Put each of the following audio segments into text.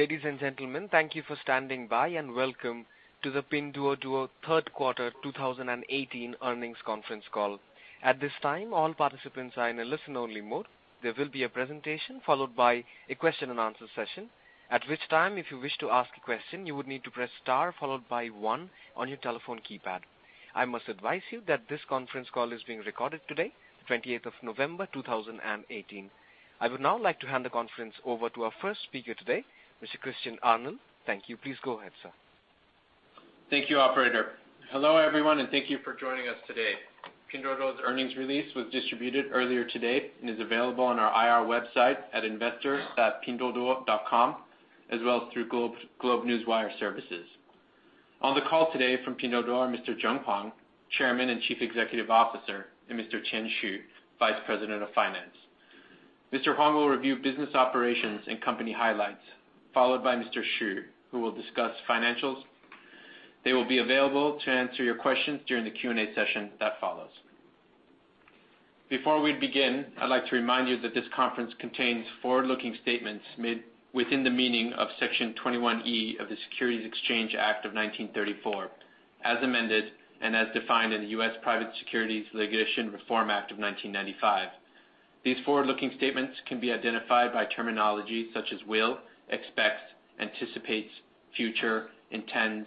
Ladies and gentlemen, thank you for standing by and welcome to the Pinduoduo third quarter 2018 earnings conference call. At this time, all participants are in a listen-only mode. There will be a presentation followed by a question and answer session, at which time, if you wish to ask a question, you would need to press star one on your telephone keypad. I must advise you that this conference call is being recorded today, the 20th of November, 2018. I would now like to hand the conference over to our first speaker today, Mr. Christian Arnell. Thank you. Please go ahead, sir. Thank you, operator. Hello, everyone, and thank you for joining us today. Pinduoduo's earnings release was distributed earlier today and is available on our IR website at investors.pinduoduo.com, as well as through GlobeNewswire services. On the call today from Pinduoduo are Mr. Zheng Huang, Chairman and Chief Executive Officer, and Mr. Tian Xu, Vice President of Finance. Mr. Huang will review business operations and company highlights, followed by Mr. Xu, who will discuss financials. They will be available to answer your questions during the Q&A session that follows. Before we begin, I'd like to remind you that this conference contains forward-looking statements made within the meaning of Section 21E of the Securities Exchange Act of 1934, as amended and as defined in the U.S. Private Securities Litigation Reform Act of 1995. These forward-looking statements can be identified by terminology such as will, expect, anticipates, future, intends,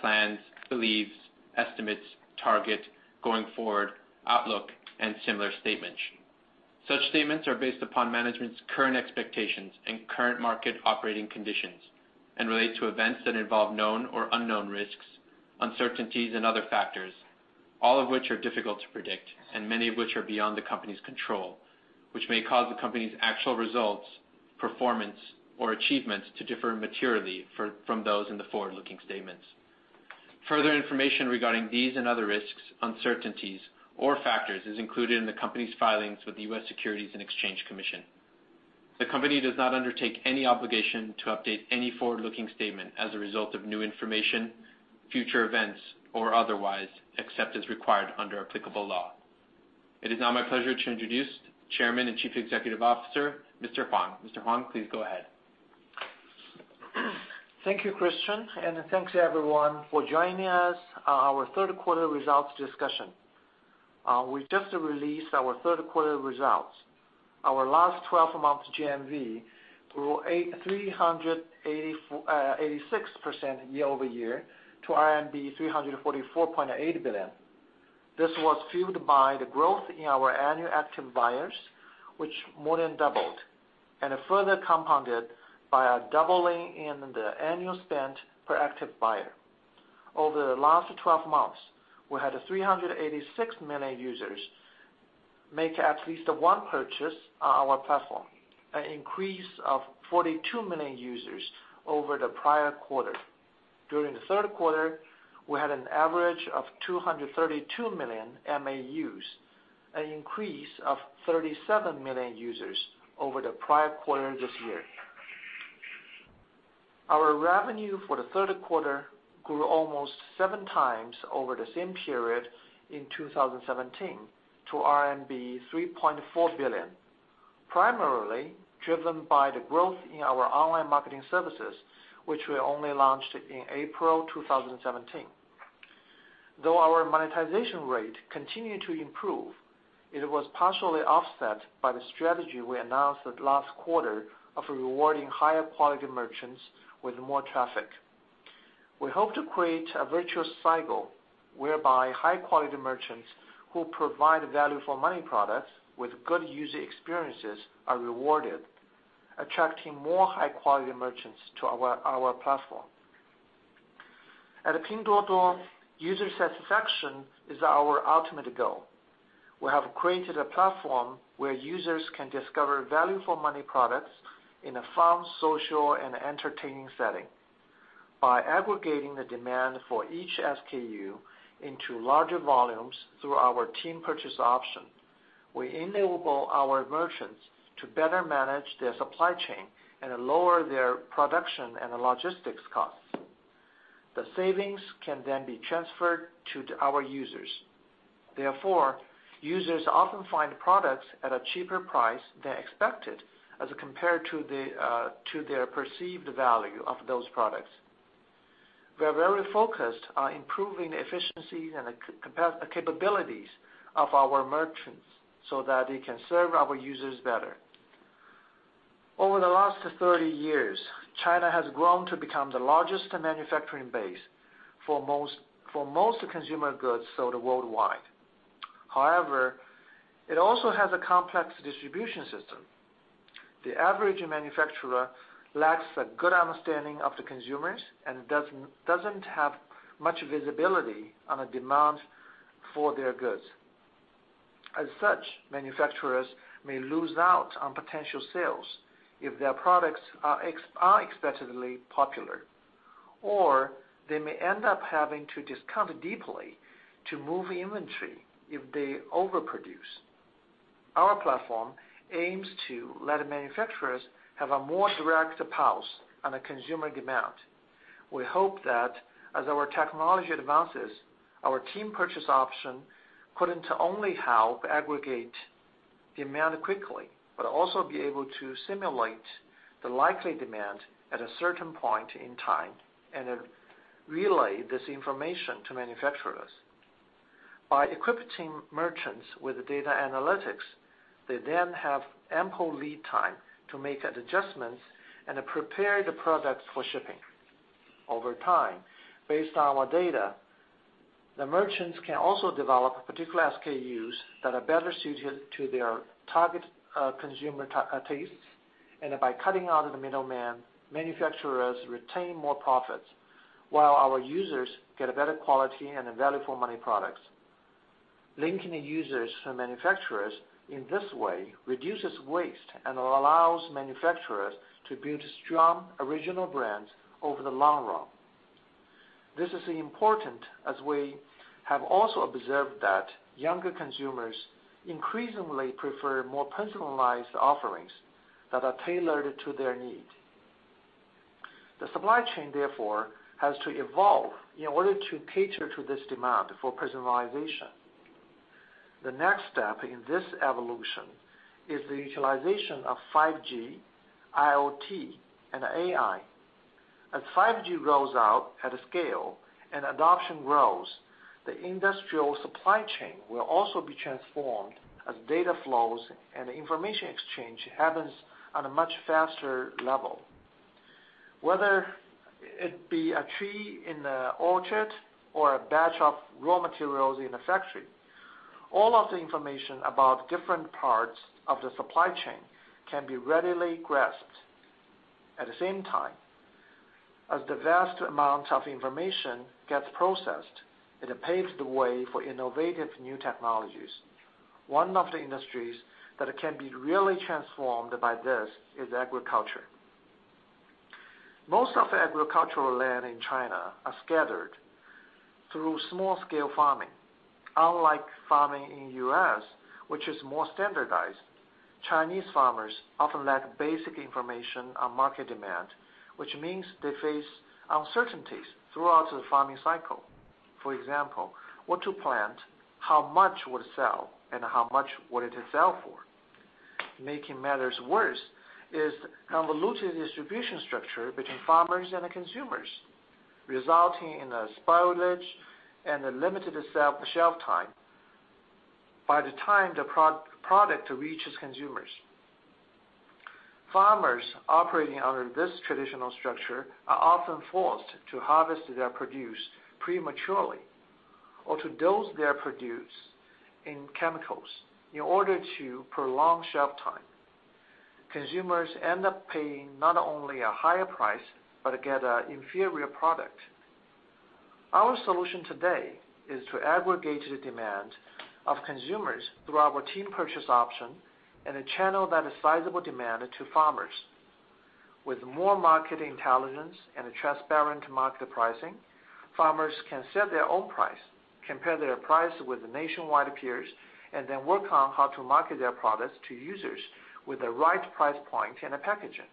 plans, believes, estimates, target, going forward, outlook, and similar statements. Such statements are based upon management's current expectations and current market operating conditions and relate to events that involve known or unknown risks, uncertainties, and other factors, all of which are difficult to predict, and many of which are beyond the company's control, which may cause the company's actual results, performance, or achievements to differ materially from those in the forward-looking statements. Further information regarding these and other risks, uncertainties, or factors is included in the company's filings with the U.S. Securities and Exchange Commission. The company does not undertake any obligation to update any forward-looking statement as a result of new information, future events, or otherwise, except as required under applicable law. It is now my pleasure to introduce Chairman and Chief Executive Officer, Mr. Huang. Mr. Huang, please go ahead. Thank you, Christian. Thanks everyone for joining us our third quarter results discussion. We just released our third quarter results. Our last 12-month GMV grew 86% year-over-year to RMB 344.8 billion. This was fueled by the growth in our annual active buyers, which more than doubled. Further compounded by a doubling in the annual spend per active buyer. Over the last 12 months, we had 386 million users make at least one purchase on our platform, an increase of 42 million users over the prior quarter. During the third quarter, we had an average of 232 million MAUs, an increase of 37 million users over the prior quarter this year. Our revenue for the third quarter grew almost seven times over the same period in 2017 to RMB 3.4 billion, primarily driven by the growth in our online marketing services, which we only launched in April 2017. Our monetization rate continued to improve, it was partially offset by the strategy we announced last quarter of rewarding higher quality merchants with more traffic. We hope to create a virtuous cycle whereby high quality merchants who provide value for money products with good user experiences are rewarded, attracting more high quality merchants to our platform. At Pinduoduo, user satisfaction is our ultimate goal. We have created a platform where users can discover value for money products in a fun, social, and entertaining setting. By aggregating the demand for each SKU into larger volumes through our Team Purchase option, we enable our merchants to better manage their supply chain and lower their production and logistics costs. The savings can then be transferred to our users. Therefore, users often find products at a cheaper price than expected as compared to the to their perceived value of those products. We are very focused on improving the efficiency and capabilities of our merchants so that they can serve our users better. Over the last 30 years, China has grown to become the largest manufacturing base for most consumer goods sold worldwide. However, it also has a complex distribution system. The average manufacturer lacks a good understanding of the consumers and doesn't have much visibility on the demand for their goods. As such, manufacturers may lose out on potential sales if their products are unexpectedly popular, or they may end up having to discount deeply to move inventory if they overproduce. Our platform aims to let manufacturers have a more direct pulse on the consumer demand. We hope that as our technology advances, our Team Purchase option could not only help aggregate demand quickly, but also be able to simulate the likely demand at a certain point in time and then relay this information to manufacturers. By equipping merchants with data analytics, they then have ample lead time to make adjustments and prepare the products for shipping. Over time, based on our data, the merchants can also develop particular SKUs that are better suited to their target consumer tastes, and by cutting out the middleman, manufacturers retain more profits while our users get a better quality and a value for money products. Linking the users to manufacturers in this way reduces waste and allows manufacturers to build strong original brands over the long run. This is important as we have also observed that younger consumers increasingly prefer more personalized offerings that are tailored to their needs. The supply chain, therefore, has to evolve in order to cater to this demand for personalization. The next step in this evolution is the utilization of 5G, IoT, and AI. As 5G rolls out at scale and adoption grows, the industrial supply chain will also be transformed as data flows and information exchange happens on a much faster level. Whether it be a tree in the orchard or a batch of raw materials in a factory, all of the information about different parts of the supply chain can be readily grasped. At the same time, as the vast amount of information gets processed, it paves the way for innovative new technologies. One of the industries that can be really transformed by this is agriculture. Most of the agricultural land in China are scattered through small-scale farming. Unlike farming in U.S., which is more standardized, Chinese farmers often lack basic information on market demand, which means they face uncertainties throughout the farming cycle. For example, what to plant, how much would sell, and how much would it sell for. Making matters worse is convoluted distribution structure between farmers and the consumers, resulting in a spoilage and a limited shelf time by the time the product reaches consumers. Farmers operating under this traditional structure are often forced to harvest their produce prematurely or to dose their produce in chemicals in order to prolong shelf time. Consumers end up paying not only a higher price, but get a inferior product. Our solution today is to aggregate the demand of consumers through our Team Purchase option and a channel that is sizable demand to farmers. With more market intelligence and a transparent market pricing, farmers can set their own price, compare their price with nationwide peers, and then work on how to market their products to users with the right price point and packaging.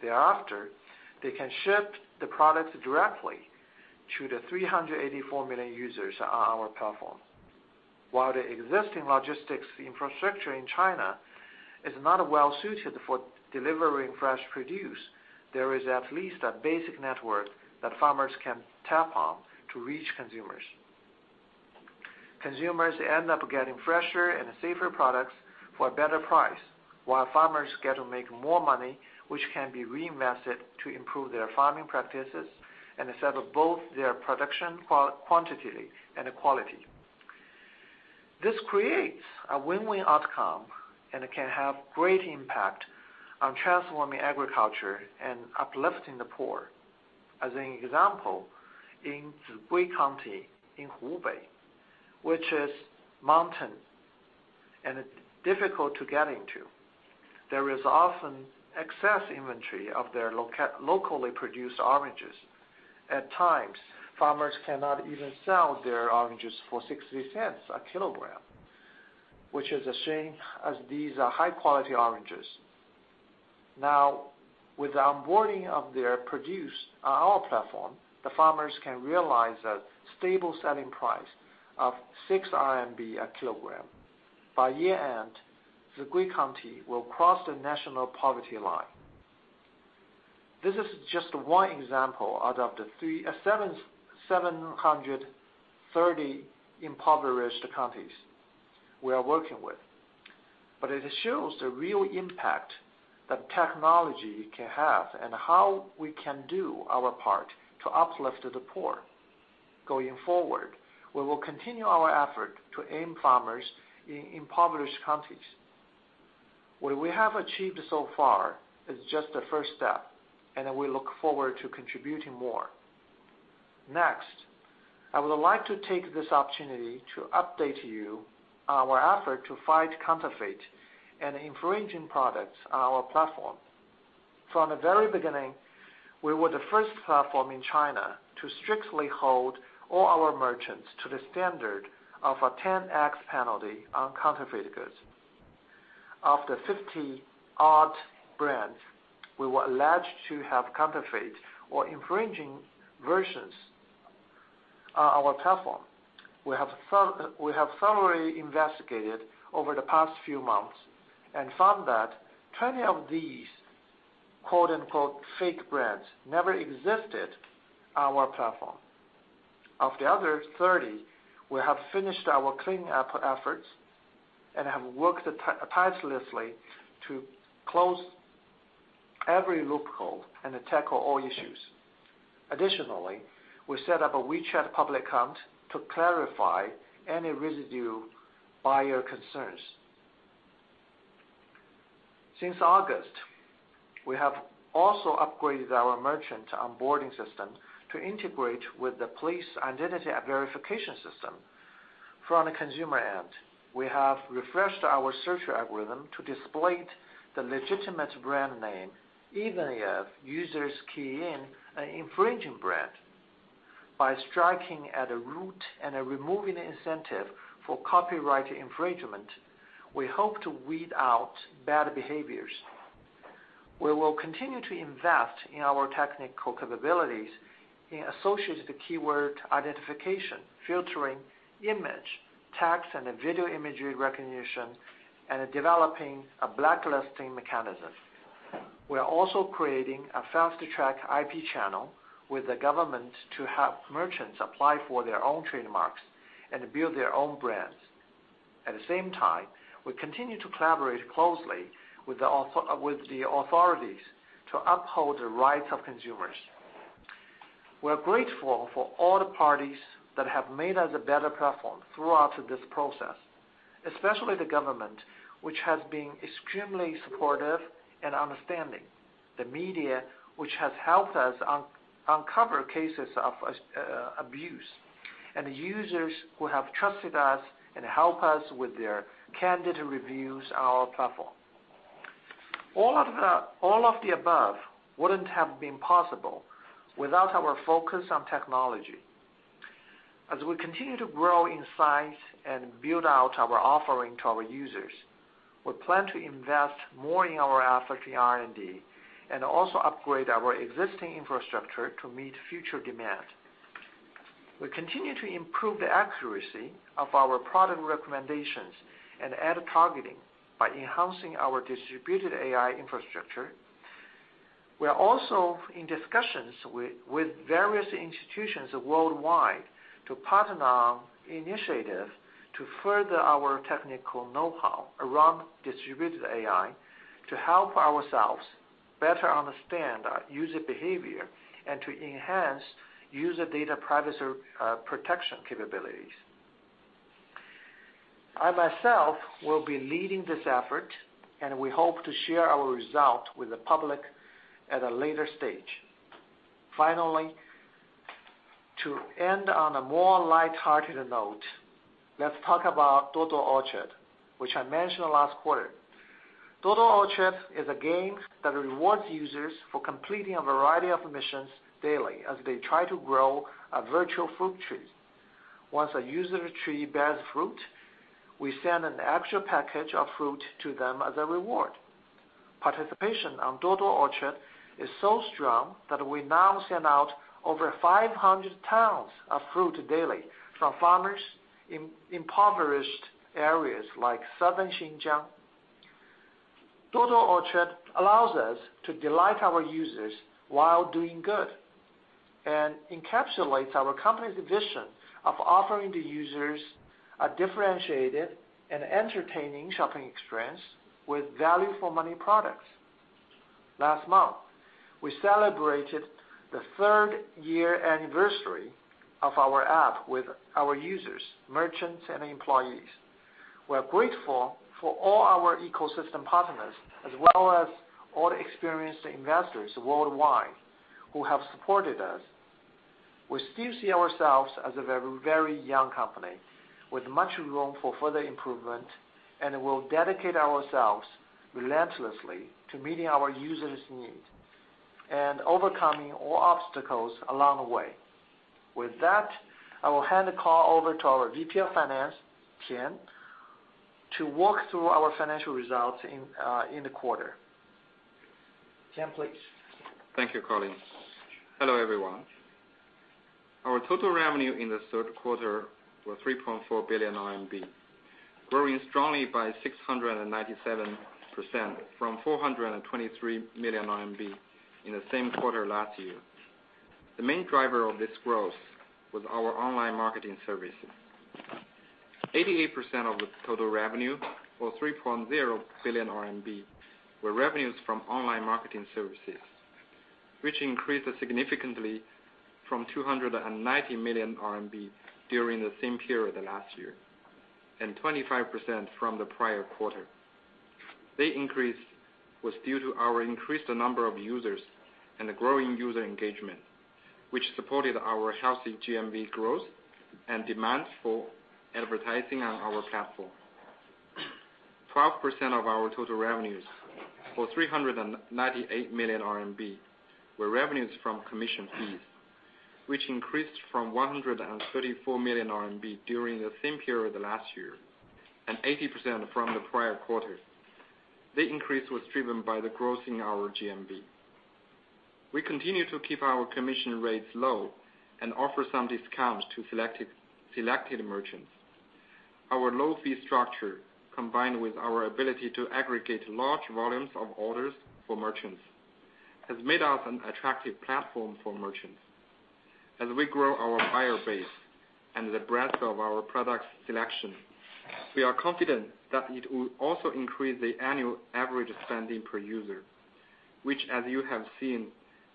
Thereafter, they can ship the product directly to the 384 million users on our platform. While the existing logistics infrastructure in China is not well suited for delivering fresh produce, there is at least a basic network that farmers can tap on to reach consumers. Consumers end up getting fresher and safer products for a better price, while farmers get to make more money, which can be reinvested to improve their farming practices and to [sell their both] their production quantity and quality. This creates a win-win outcome, and it can have great impact on transforming agriculture and uplifting the poor. As an example, in Zigui County in Hubei, which is mountain and difficult to get into, there is often excess inventory of their locally produced oranges. At times, farmers cannot even sell their oranges for 0.60 a kilogram, which is a shame as these are high-quality oranges. With the onboarding of their produce on our platform, the farmers can realize a stable selling price of 6 RMB a kilogram. By year-end, Zigui County will cross the national poverty line. This is just one example out of the 730 impoverished counties we are working with. It shows the real impact that technology can have and how we can do our part to uplift the poor. Going forward, we will continue our effort to aid farmers in impoverished counties. What we have achieved so far is just the first step, and we look forward to contributing more. Next, I would like to take this opportunity to update you on our effort to fight counterfeit and infringing products on our platform. From the very beginning, we were the first platform in China to strictly hold all our merchants to the standard of a 10X penalty on counterfeit goods. Of the 50-odd brands we were alleged to have counterfeit or infringing versions on our platform, we have thoroughly investigated over the past few months and found that 20 of these quote, unquote, "fake brands" never existed on our platform. Of the other 30, we have finished our cleaning up efforts and have worked tirelessly to close every loophole and tackle all issues. Additionally, we set up a WeChat public account to clarify any residual buyer concerns. Since August, we have also upgraded our merchant onboarding system to integrate with the police identity and verification system. From the consumer end, we have refreshed our search algorithm to display the legitimate brand name, even if users key in an infringing brand. By striking at the root and removing the incentive for copyright infringement, we hope to weed out bad behaviors. We will continue to invest in our technical capabilities in associated keyword identification, filtering image, text, and video imagery recognition, and developing a blacklisting mechanism. We are also creating a fast-track IP channel with the government to help merchants apply for their own trademarks and build their own brands. At the same time, we continue to collaborate closely with the authorities to uphold the rights of consumers. We are grateful for all the parties that have made us a better platform throughout this process, especially the government, which has been extremely supportive and understanding, the media, which has helped us uncover cases of abuse, and users who have trusted us and help us with their candid reviews on our platform. All of the above wouldn't have been possible without our focus on technology. As we continue to grow in size and build out our offering to our users, we plan to invest more in our efforts in R&D and also upgrade our existing infrastructure to meet future demand. We continue to improve the accuracy of our product recommendations and ad targeting by enhancing our distributed AI infrastructure. We are also in discussions with various institutions worldwide to partner on initiatives to further our technical know-how around distributed AI to help ourselves better understand user behavior and to enhance user data privacy protection capabilities. I myself will be leading this effort. We hope to share our results with the public at a later stage. Finally, to end on a more lighthearted note, let's talk about Duoduo Orchard, which I mentioned last quarter. Duoduo Orchard is a game that rewards users for completing a variety of missions daily as they try to grow a virtual fruit tree. Once a user tree bears fruit, we send an actual package of fruit to them as a reward. Participation on Duoduo Orchard is so strong that we now send out over 500 tons of fruit daily from farmers in impoverished areas like southern Xinjiang. Duoduo Orchard allows us to delight our users while doing good and encapsulates our company's vision of offering the users a differentiated and entertaining shopping experience with value-for-money products. Last month, we celebrated the third-year anniversary of our app with our users, merchants, and employees. We are grateful for all our ecosystem partners, as well as all the experienced investors worldwide who have supported us. We still see ourselves as a very, very young company with much room for further improvement, and we'll dedicate ourselves relentlessly to meeting our users' needs and overcoming all obstacles along the way. With that, I will hand the call over to our VP of Finance, Tian, to walk through our financial results in the quarter. Tian, please. Thank you, Colin. Hello, everyone. Our total revenue in the third quarter was 3.4 billion RMB, growing strongly by 697% from 423 million RMB in the same quarter last year. The main driver of this growth was our online marketing services. 88% of the total revenue, or 3.0 billion RMB, were revenues from online marketing services, which increased significantly from 290 million RMB during the same period last year, and 25% from the prior quarter. The increase was due to our increased number of users and the growing user engagement, which supported our healthy GMV growth and demand for advertising on our platform. 12% of our total revenues for 398 million RMB were revenues from commission fees, which increased from 134 million RMB during the same period last year, and 80% from the prior quarter. The increase was driven by the growth in our GMV. We continue to keep our commission rates low and offer some discounts to selected merchants. Our low fee structure, combined with our ability to aggregate large volumes of orders for merchants, has made us an attractive platform for merchants. As we grow our buyer base and the breadth of our product selection, we are confident that it will also increase the annual average spending per user, which, as you have seen,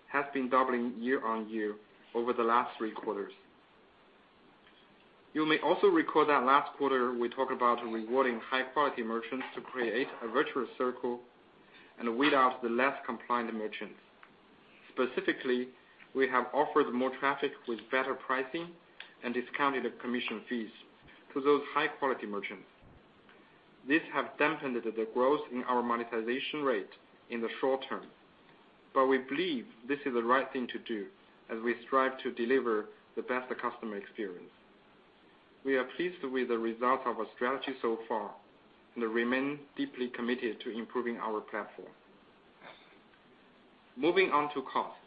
has been doubling year-on-year over the last three quarters. You may also recall that last quarter we talked about rewarding high-quality merchants to create a virtuous circle and weed out the less compliant merchants. Specifically, we have offered more traffic with better pricing and discounted commission fees to those high-quality merchants. This have dampened the growth in our monetization rate in the short term. We believe this is the right thing to do as we strive to deliver the best customer experience. We are pleased with the results of our strategy so far and remain deeply committed to improving our platform. Moving on to costs.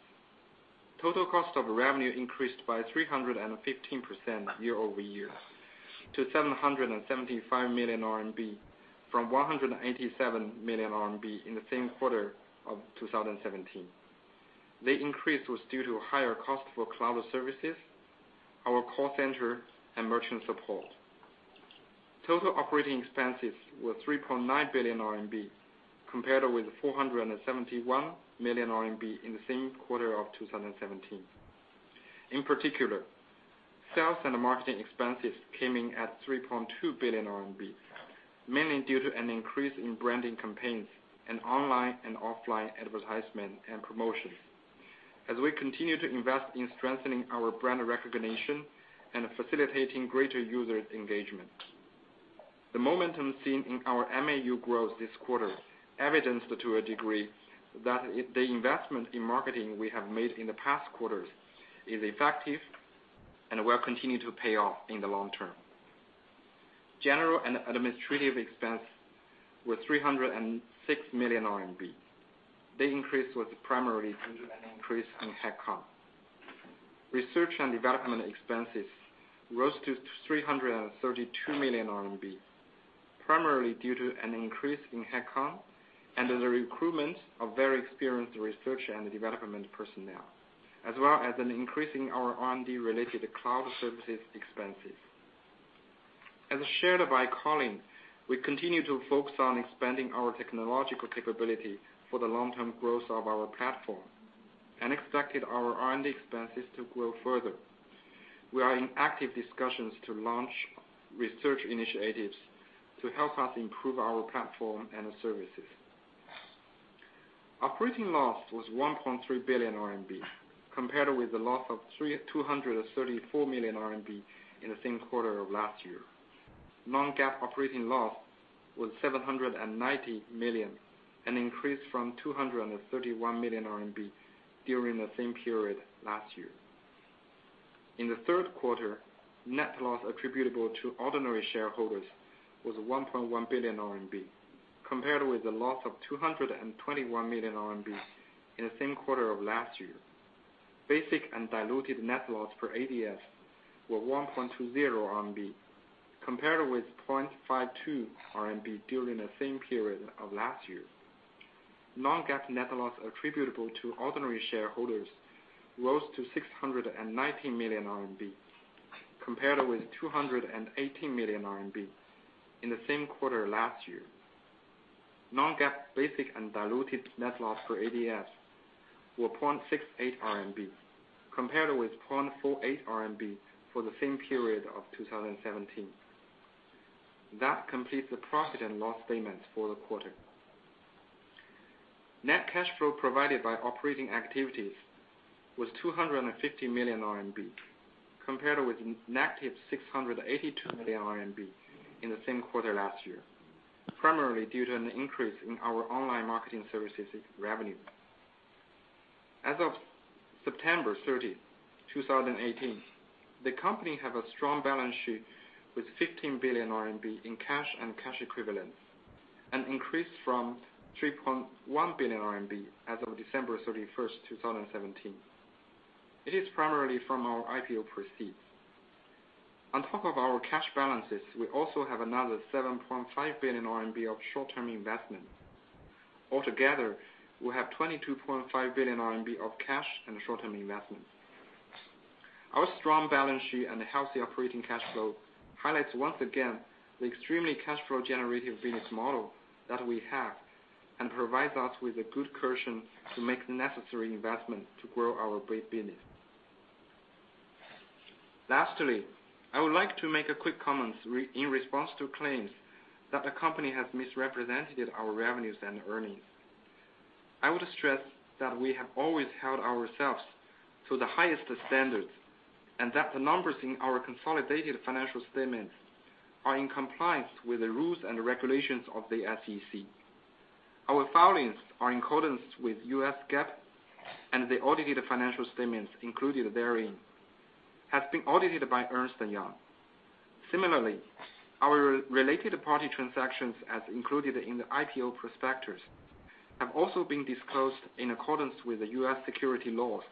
Total cost of revenue increased by 315% year-over-year to 775 million RMB from 187 million RMB in the same quarter of 2017. The increase was due to higher cost for cloud services, our call center and merchant support. Total operating expenses were 3.9 billion RMB compared with 471 million RMB in the same quarter of 2017. In particular, sales and marketing expenses came in at 3.2 billion RMB, mainly due to an increase in branding campaigns and online and offline advertisement and promotions as we continue to invest in strengthening our brand recognition and facilitating greater user engagement. The momentum seen in our MAU growth this quarter evidenced to a degree that the investment in marketing we have made in the past quarters is effective and will continue to pay off in the long term. General and administrative expense was RMB 306 million. The increase was primarily due to an increase in head count. Research and development expenses rose to 332 million RMB, primarily due to an increase in head count and the recruitment of very experienced research and development personnel, as well as an increase in our R&D related cloud services expenses. As shared by Colin, we continue to focus on expanding our technological capability for the long-term growth of our platform and expected our R&D expenses to grow further. We are in active discussions to launch research initiatives to help us improve our platform and services. Operating loss was 1.3 billion RMB compared with a loss of 234 million RMB in the same quarter of last year. Non-GAAP operating loss was 790 million, an increase from 231 million RMB during the same period last year. In the third quarter, net loss attributable to ordinary shareholders was 1.1 billion RMB compared with a loss of 221 million RMB in the same quarter of last year. Basic and diluted net loss per ADS were 1.20 RMB compared with 0.52 RMB during the same period of last year. Non-GAAP net loss attributable to ordinary shareholders rose to 619 million RMB compared with 218 million RMB in the same quarter last year. Non-GAAP basic and diluted net loss per ADS were 0.68 RMB compared with 0.48 RMB for the same period of 2017. That completes the profit and loss statement for the quarter. Net cash flow provided by operating activities was 250 million RMB compared with negative 682 million RMB in the same quarter last year, primarily due to an increase in our online marketing services revenue. As of 30September, 2018, the company have a strong balance sheet with 15 billion RMB in cash and cash equivalents, an increase from 3.1 billion RMB as of 31 December, 2017. It is primarily from our IPO proceeds. On top of our cash balances, we also have another 7.5 billion RMB of short-term investments. Altogether, we have 22.5 billion RMB of cash and short-term investments. Our strong balance sheet and healthy operating cash flow highlights once again the extremely cash flow generative business model that we have and provides us with a good cushion to make the necessary investments to grow our business. Lastly, I would like to make a quick comment in response to claims that the company has misrepresented our revenues and earnings. I would stress that we have always held ourselves to the highest standards, and that the numbers in our consolidated financial statements are in compliance with the rules and regulations of the SEC. Our filings are in accordance with US GAAP, and the audited financial statements included therein has been audited by Ernst & Young. Similarly, our related party transactions as included in the IPO prospectus have also been disclosed in accordance with the U.S. security laws,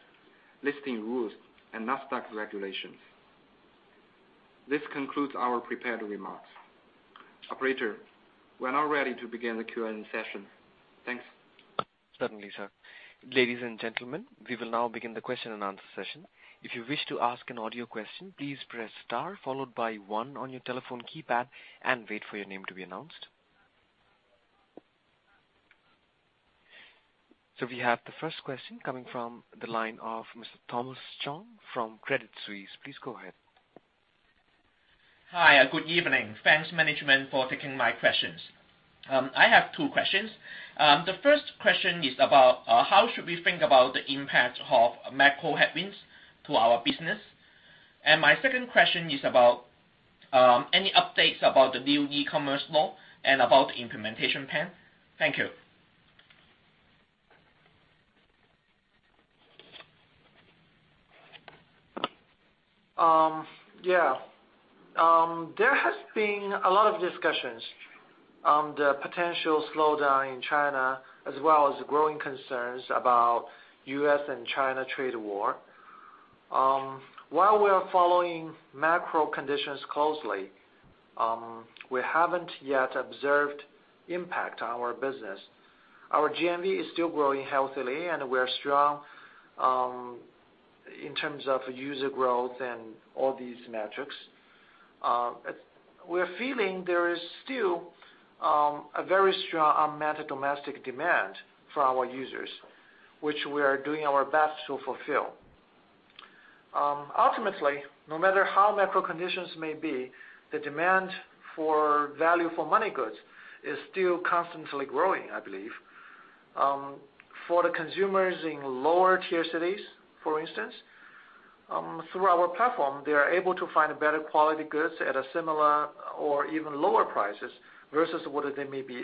listing rules, and NASDAQ regulations. This concludes our prepared remarks. Operator, we're now ready to begin the Q&A session. Thanks. Certainly, sir. Ladies and gentlemen, we will now begin the question-and-answer session. If you wish to ask an audio question, please press star followed by one on your telephone keypad and wait for your name to be announced. We have the first question coming from the line of Mr. Thomas Chong from Credit Suisse. Please go ahead. Hi, good evening. Thanks management for taking my questions. I have two questions. The first question is about how should we think about the impact of macro headwinds to our business? My second question is about any updates about the new e-commerce law and about the implementation plan. Thank you. There has been a lot of discussions on the potential slowdown in China, as well as growing concerns about U.S. and China trade war. While we are following macro conditions closely, we haven't yet observed impact on our business. Our GMV is still growing healthily, and we're strong in terms of user growth and all these metrics. We're feeling there is still a very strong unmet domestic demand for our users, which we are doing our best to fulfill. Ultimately, no matter how macro conditions may be, the demand for value for money goods is still constantly growing, I believe. For the consumers in lower-tier cities, for instance, through our platform, they are able to find better quality goods at a similar or even lower prices versus what they may be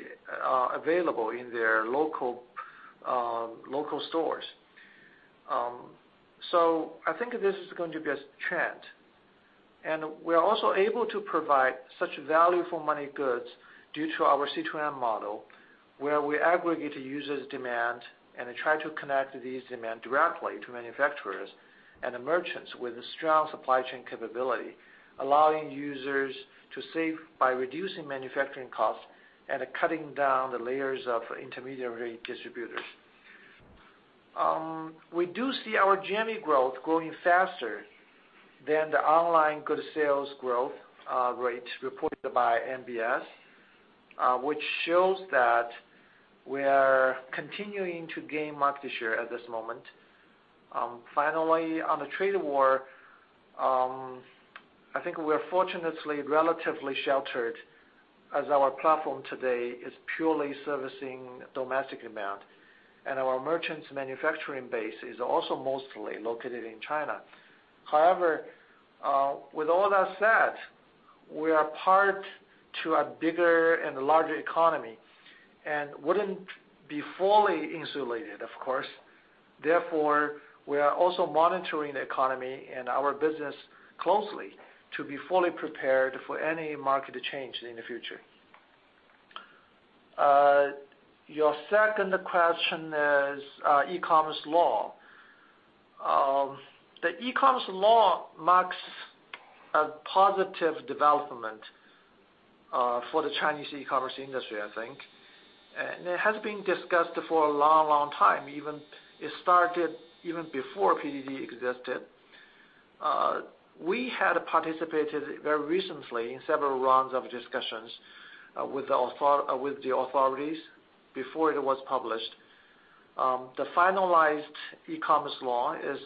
available in their local stores. I think this is going to be a trend. We are also able to provide such value-for-money goods due to our C2M model, where we aggregate users demand and try to connect these demand directly to manufacturers and merchants with a strong supply chain capability, allowing users to save by reducing manufacturing costs and cutting down the layers of intermediary distributors. We do see our GMV growth growing faster than the online goods sales growth rate reported by NBS, which shows that we are continuing to gain market share at this moment. Finally, on the trade war, I think we're fortunately relatively sheltered as our platform today is purely servicing domestic demand, and our merchants manufacturing base is also mostly located in China. With all that said, we are part to a bigger and larger economy and wouldn't be fully insulated, of course. We are also monitoring the economy and our business closely to be fully prepared for any market change in the future. Your second question is e-commerce law. The e-commerce law marks a positive development for the Chinese e-commerce industry, I think. It has been discussed for a long, long time. Even it started even before PDD existed. We had participated very recently in several rounds of discussions with the authorities before it was published. The finalized e-commerce law is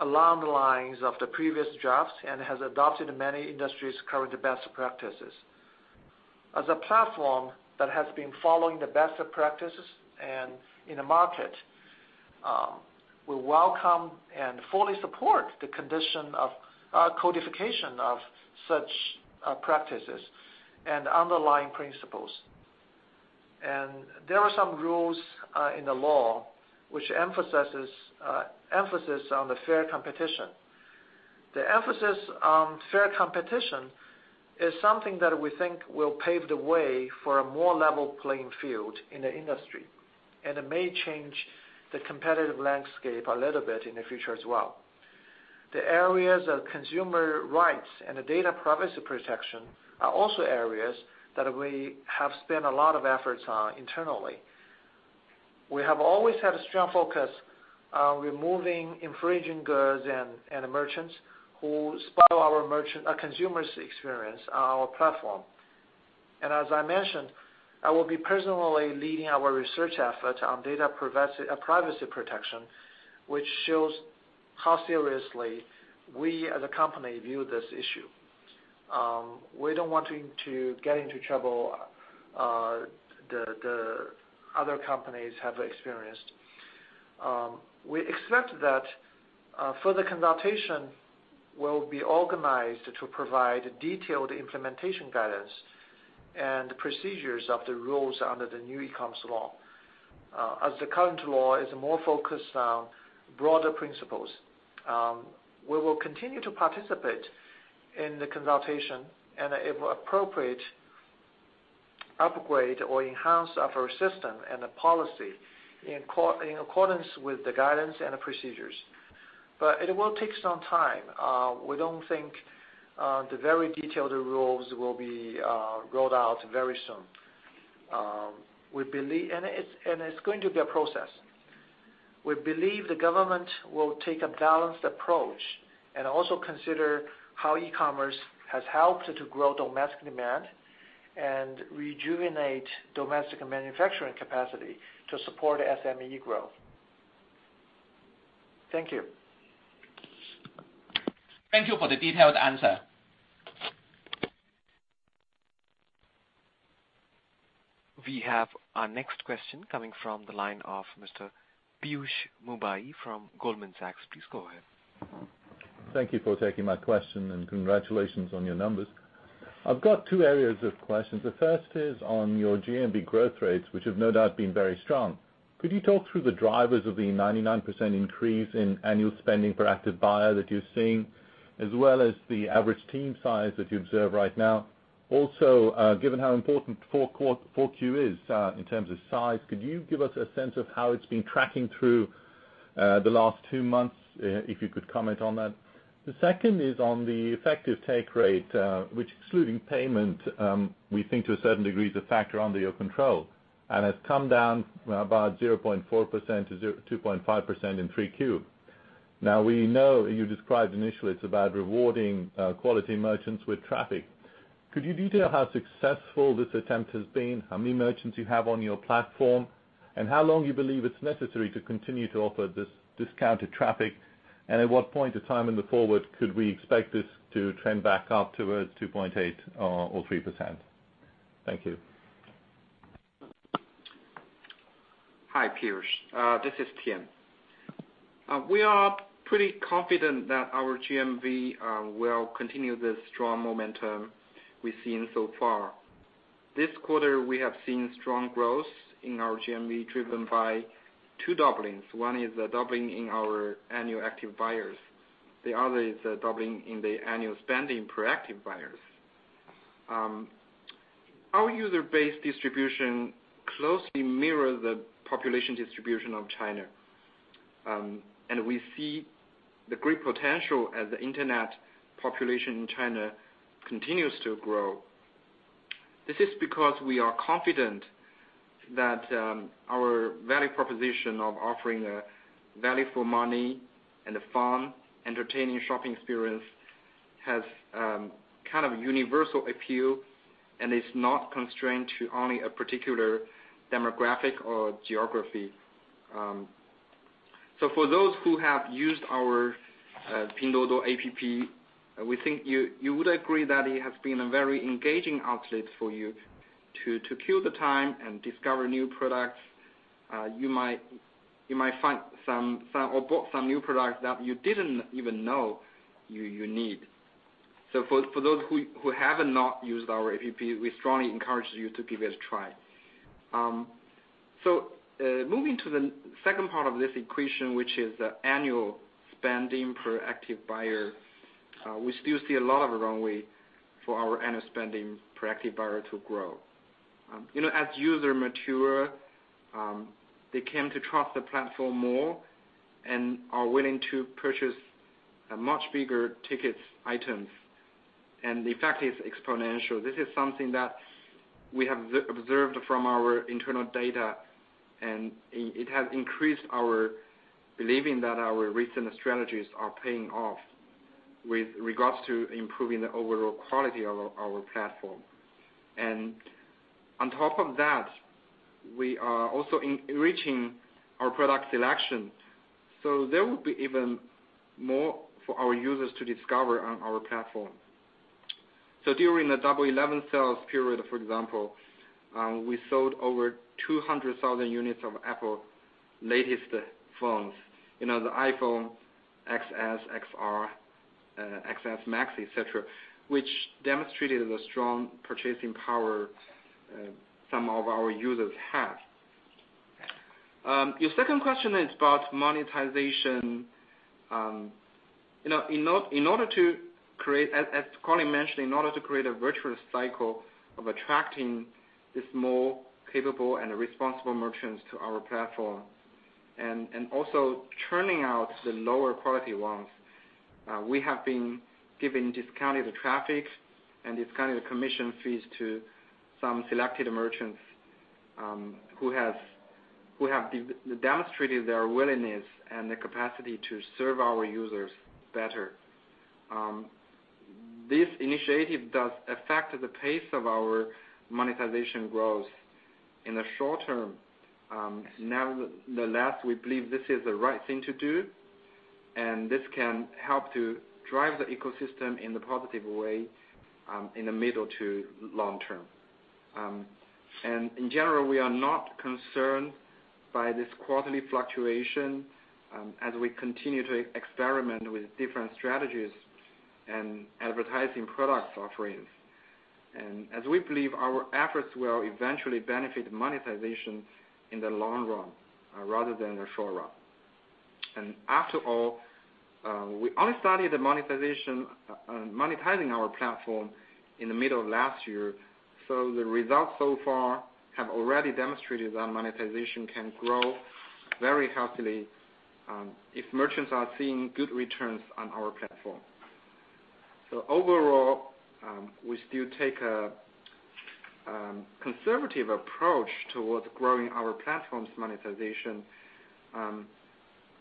along the lines of the previous drafts and has adopted many industries' current best practices. As a platform that has been following the best practices and in the market, we welcome and fully support the condition of codification of such practices and underlying principles. There are some rules in the law which emphasizes emphasis on the fair competition. The emphasis on fair competition is something that we think will pave the way for a more level playing field in the industry, and it may change the competitive landscape a little bit in the future as well. The areas of consumer rights and data privacy protection are also areas that we have spent a lot of efforts on internally. We have always had a strong focus on removing infringing goods and merchants who spoil our merchant or consumer's experience on our platform. As I mentioned, I will be personally leading our research effort on data privacy protection, which shows how seriously we as a company view this issue. We don't want to get into trouble the other companies have experienced. We expect that further consultation will be organized to provide detailed implementation guidance and procedures of the rules under the new e-commerce law. As the current law is more focused on broader principles. We will continue to participate in the consultation and if appropriate, upgrade or enhance our system and the policy in accordance with the guidance and the procedures. It will take some time. We don't think the very detailed rules will be rolled out very soon. It's going to be a process. We believe the government will take a balanced approach and also consider how e-commerce has helped to grow domestic demand and rejuvenate domestic manufacturing capacity to support SME growth. Thank you. Thank you for the detailed answer. We have our next question coming from the line of Mr. Piyush Mubayi from Goldman Sachs. Please go ahead. Thank you for taking my question, and congratulations on your numbers. I've got 2 areas of questions. The first is on your GMV growth rates, which have no doubt been very strong. Could you talk through the drivers of the 99% increase in annual spending per active buyer that you're seeing, as well as the average team size that you observe right now? Given how important 4Q is, in terms of size, could you give us a sense of how it's been tracking through the last two months, if you could comment on that? The second is on the effective take rate, which excluding payment, we think to a certain degree is a factor under your control, and has come down about 0.4% to 2.5% in 3Q. We know you described initially it's about rewarding quality merchants with traffic. Could you detail how successful this attempt has been, how many merchants you have on your platform, and how long you believe it's necessary to continue to offer this discounted traffic? At what point in time in the forward could we expect this to trend back up towards 2.8 or 3%? Thank you. Hi, Piyush. This is Tian. We are pretty confident that our GMV will continue the strong momentum we've seen so far. This quarter, we have seen strong growth in our GMV driven by two doublings. One is a doubling in our annual active buyers. The other is a doubling in the annual spending per active buyers. Our user base distribution closely mirror the population distribution of China. We see the great potential as the internet population in China continues to grow. This is because we are confident that our value proposition of offering a value for money and a fun, entertaining shopping experience has kind of universal appeal and is not constrained to only a particular demographic or geography. So for those who have used our Pinduoduo app, we think you would agree that it has been a very engaging outlet for you to kill the time and discover new products. You might find some or bought some new products that you didn't even know you need. For those who have not used our app, we strongly encourage you to give it a try. Moving to the second part of this equation, which is the annual spending per active buyer, we still see a lot of runway for our annual spending per active buyer to grow. You know, as user mature, they came to trust the platform more and are willing to purchase a much bigger tickets items, and the effect is exponential. This is something that we have observed from our internal data, it has increased our believing that our recent strategies are paying off with regards to improving the overall quality of our platform. On top of that, we are also enriching our product selection, There will be even more for our users to discover on our platform. During the Double 11 sales period, for example, we sold over 200,000 units of Apple latest phones. You know, the iPhone XS, XR, XS Max, et cetera, which demonstrated the strong purchasing power, some of our users have. Your second question is about monetization. You know, as Colin mentioned, in order to create a virtuous cycle of attracting these more capable and responsible merchants to our platform and also churning out the lower quality ones, we have been giving discounted traffic and discounted commission fees to some selected merchants who have demonstrated their willingness and the capacity to serve our users better. This initiative does affect the pace of our monetization growth. In the short term, nevertheless, we believe this is the right thing to do, and this can help to drive the ecosystem in the positive way in the middle to long term. In general, we are not concerned by this quarterly fluctuation as we continue to experiment with different strategies and advertising product offerings. As we believe our efforts will eventually benefit monetization in the long run, rather than the short run. After all, we only started the monetization, monetizing our platform in the middle of last year. The results so far have already demonstrated that monetization can grow very healthily, if merchants are seeing good returns on our platform. Overall, we still take a conservative approach towards growing our platform's monetization.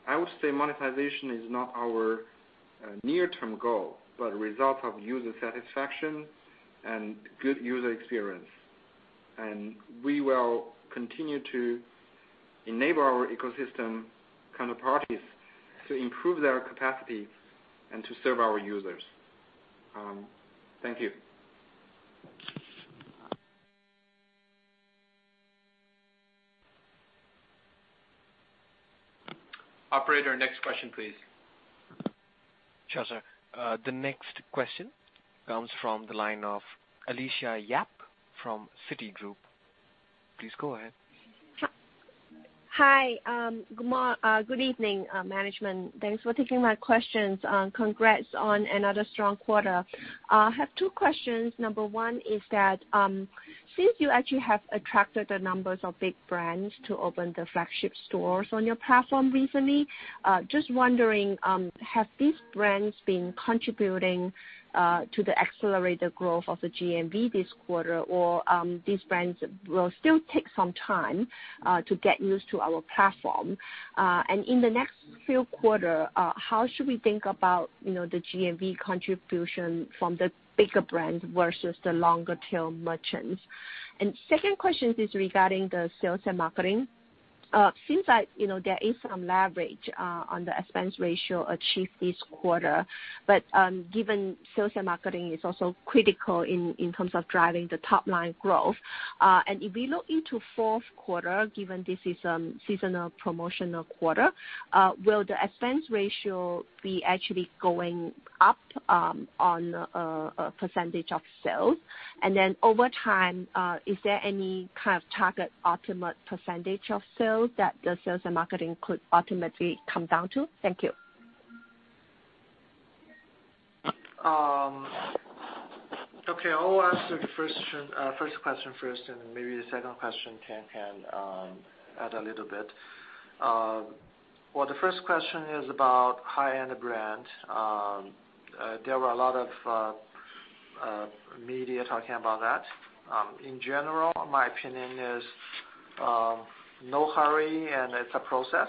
I would say monetization is not our near-term goal, but a result of user satisfaction and good user experience. We will continue to enable our ecosystem counterparties to improve their capacity and to serve our users. Thank you. Operator, next question, please. Sure, sir. The next question comes from the line of Alicia Yap from Citigroup. Please go ahead. Hi. Good evening, management. Thanks for taking my questions. Congrats on another strong quarter. I have two questions. Number one is that, since you actually have attracted the numbers of big brands to open the flagship stores on your platform recently, just wondering, have these brands been contributing to the accelerated growth of the GMV this quarter? These brands will still take some time to get used to our platform. In the next few quarter, how should we think about, you know, the GMV contribution from the bigger brands versus the longer tail merchants? Second question is regarding the sales and marketing. Since that, you know, there is some leverage on the expense ratio achieved this quarter. Given sales and marketing is also critical in terms of driving the top-line growth. If we look into fourth quarter, given this is seasonal promotional quarter, will the expense ratio be actually going up on a percentage of sales? Over time, is there any kind of target ultimate percentage of sales that the sales and marketing could ultimately come down to? Thank you. Okay. I will answer the first question first, and maybe the second question, Tian can add a little bit. Well, the first question is about high-end brand. There were a lot of media talking about that. In general, my opinion is, no hurry, and it's a process.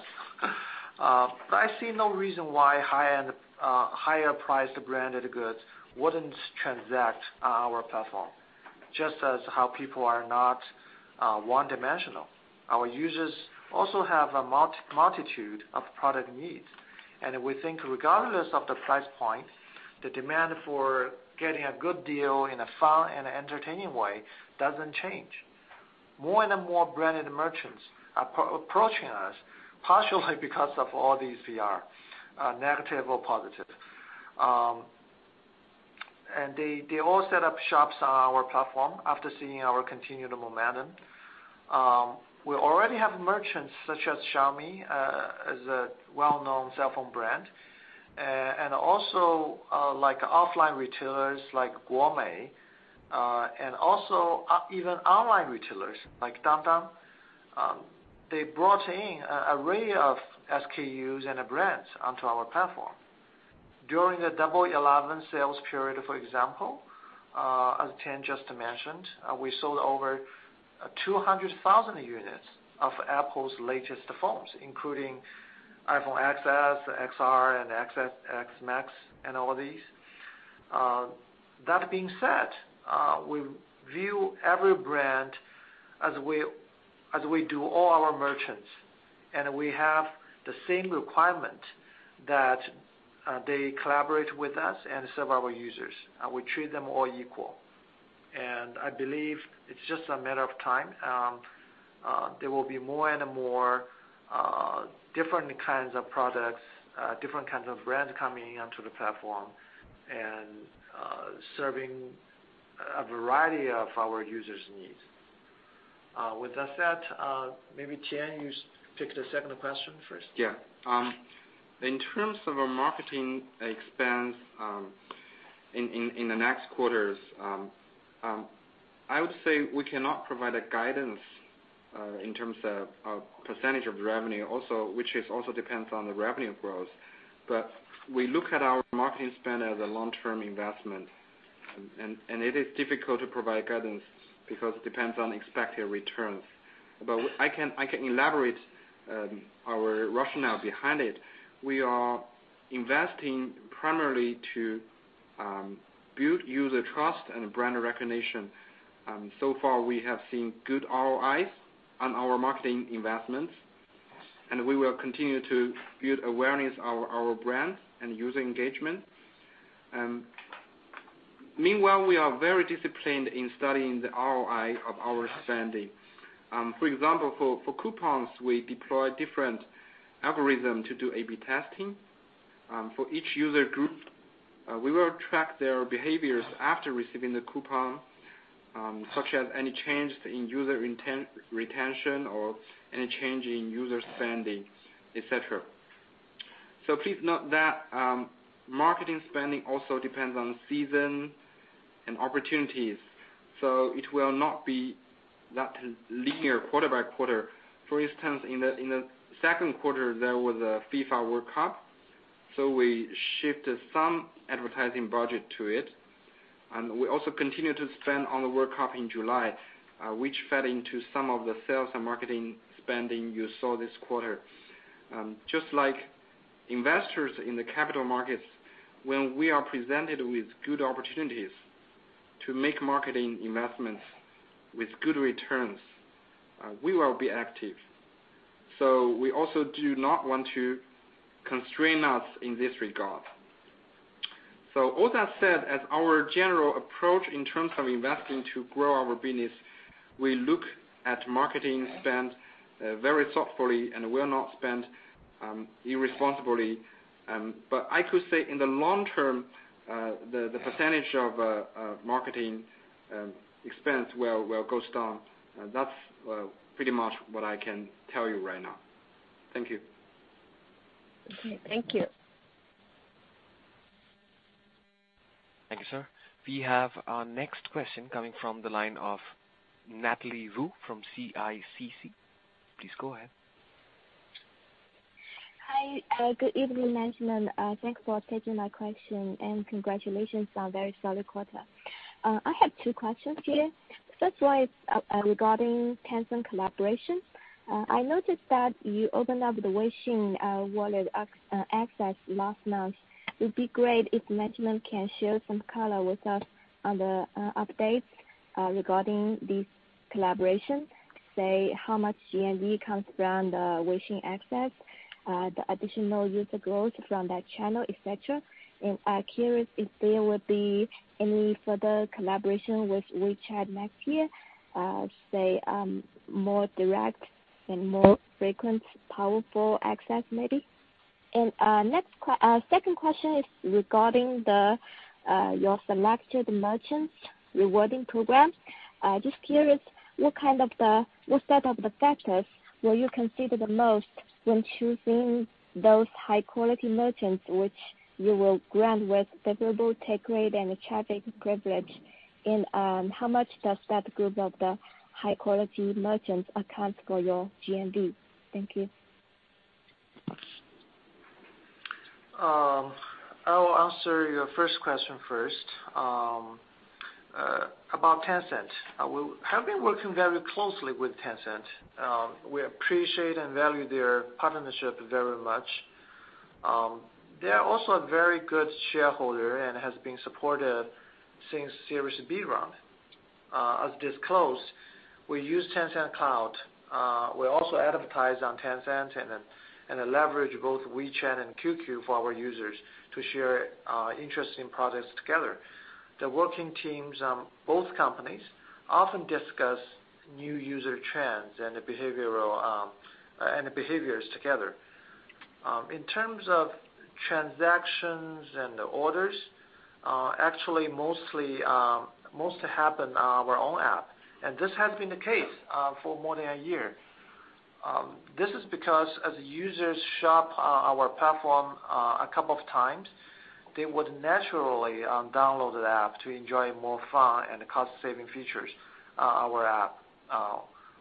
But I see no reason why high-end, higher priced branded goods wouldn't transact on our platform. Just as how people are not one-dimensional. Our users also have a multitude of product needs. We think regardless of the price point, the demand for getting a good deal in a fun and entertaining way doesn't change. More and more branded merchants are approaching us, partially because of all these PR, negative or positive. They all set up shops on our platform after seeing our continual momentum. We already have merchants such as Xiaomi, is a well-known cell phone brand, and also, like offline retailers like Gome, and also, even online retailers like Dangdang. They brought in a array of SKUs and brands onto our platform. During the Double 11 sales period, for example, as Tian just mentioned, we sold over 200,000 units of Apple's latest phones, including iPhone XS, XR and iPhone XS Max, and all of these. That being said, we view every brand as we do all our merchants, and we have the same requirement that they collaborate with us and serve our users. We treat them all equal. I believe it's just a matter of time. There will be more and more different kinds of products, different kinds of brands coming onto the platform and serving a variety of our users' needs. With that said, maybe Tian, you take the second question first. Yeah. In terms of our marketing expense, in the next quarters, I would say we cannot provide a guidance in terms of percentage of revenue also, which is also depends on the revenue growth. We look at our marketing spend as a long-term investment. It is difficult to provide guidance because it depends on expected returns. I can elaborate our rationale behind it. We are investing primarily to build user trust and brand recognition. So far we have seen good ROIs on our marketing investments, and we will continue to build awareness of our brand and user engagement. Meanwhile, we are very disciplined in studying the ROI of our spending. For example, for coupons, we deploy different algorithm to do A/B testing. For each user group, we will track their behaviors after receiving the coupon, such as any change in user intent-retention or any change in user spending, et cetera. Please note that marketing spending also depends on season and opportunities, so it will not be that linear quarter by quarter. For instance, in the, in the second quarter, there was a FIFA World Cup, so we shifted some advertising budget to it, and we also continued to spend on the World Cup in July, which fed into some of the sales and marketing spending you saw this quarter. Just like investors in the capital markets, when we are presented with good opportunities to make marketing investments with good returns, we will be active. We also do not want to constrain us in this regard. All that said, as our general approach in terms of investing to grow our business, we look at marketing spend very thoughtfully and will not spend irresponsibly. I could say in the long term, the percentage of marketing expense will go down. That's pretty much what I can tell you right now. Thank you. Okay. Thank you. Thank you, sir. We have our next question coming from the line of Natalie Wu from CICC. Please go ahead. Hi. Good evening, management. Thanks for taking my question and congratulations on very solid quarter. I have two questions here. First one is regarding Tencent collaboration. I noticed that you opened up the Weixin wallet access last month. It would be great if management can share some color with us on the updates regarding this collaboration. Say, how much GMV comes from the Weixin access, the additional user growth from that channel, et cetera. I'm curious if there will be any further collaboration with WeChat next year, say, more direct and more frequent, powerful access maybe. Second question is regarding your selected merchants rewarding program. Just curious, what kind of the what set of the factors will you consider the most when choosing those high-quality merchants which you will grant with favorable take rate and traffic privilege? How much does that group of the high-quality merchants account for your GMV? Thank you. I will answer your first question first, about Tencent. We have been working very closely with Tencent. We appreciate and value their partnership very much. They are also a very good shareholder and has been supportive since Series B round. As disclosed, we use Tencent Cloud. We also advertise on Tencent and leverage both WeChat and QQ for our users to share interesting products together. The working teams on both companies often discuss new user trends and the behavioral and the behaviors together. In terms of transactions and the orders, actually mostly, most happen on our own app, and this has been the case, for more than a year. This is because as users shop on our platform, a couple of times, they would naturally download the app to enjoy more fun and cost-saving features on our app.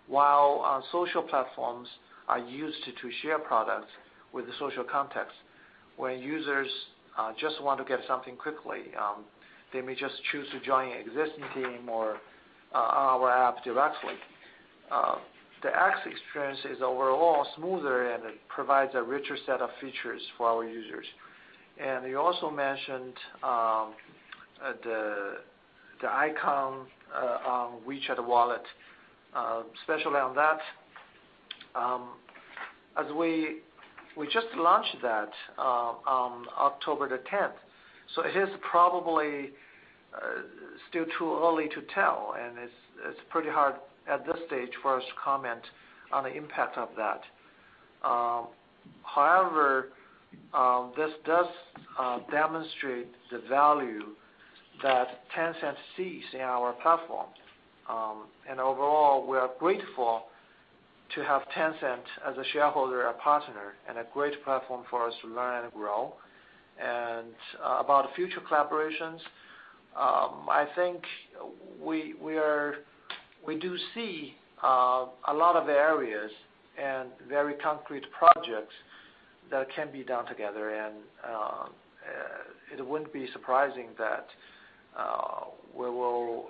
While our social platforms are used to share products with the social context, when users just want to get something quickly, they may just choose to join an existing team or our app directly. The app's experience is overall smoother, and it provides a richer set of features for our users. You also mentioned the icon on WeChat Pay. Especially on that, as we just launched that on October the 10th, so it is probably still too early to tell, and it's pretty hard at this stage for us to comment on the impact of that. However, this does demonstrate the value that Tencent sees in our platform. Overall, we are grateful to have Tencent as a shareholder and partner and a great platform for us to learn and grow. About future collaborations, I think we do see a lot of areas and very concrete projects that can be done together, and it wouldn't be surprising that we will.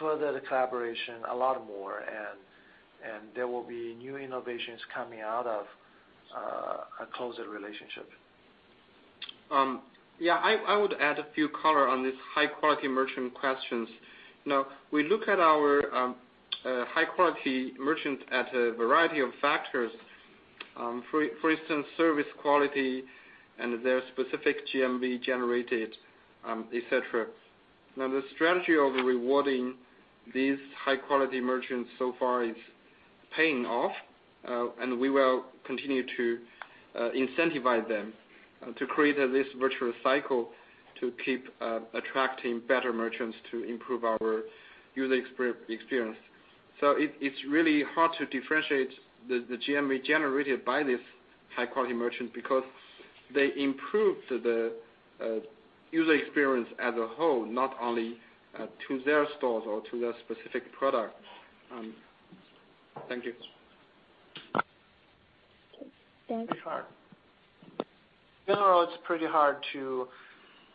Further the collaboration a lot more and there will be new innovations coming out of a closer relationship. Yeah, I would add a few color on this high-quality merchant questions. We look at our high-quality merchant at a variety of factors. For instance, service quality and their specific GMV generated, et cetera. The strategy of rewarding these high-quality merchants so far is paying off, and we will continue to incentivize them to create this virtuous cycle to keep attracting better merchants to improve our user experience. It's really hard to differentiate the GMV generated by this high-quality merchant because they improve the user experience as a whole, not only to their stores or to their specific product. Thank you. Okay, thanks. Pretty hard. In general, it's pretty hard to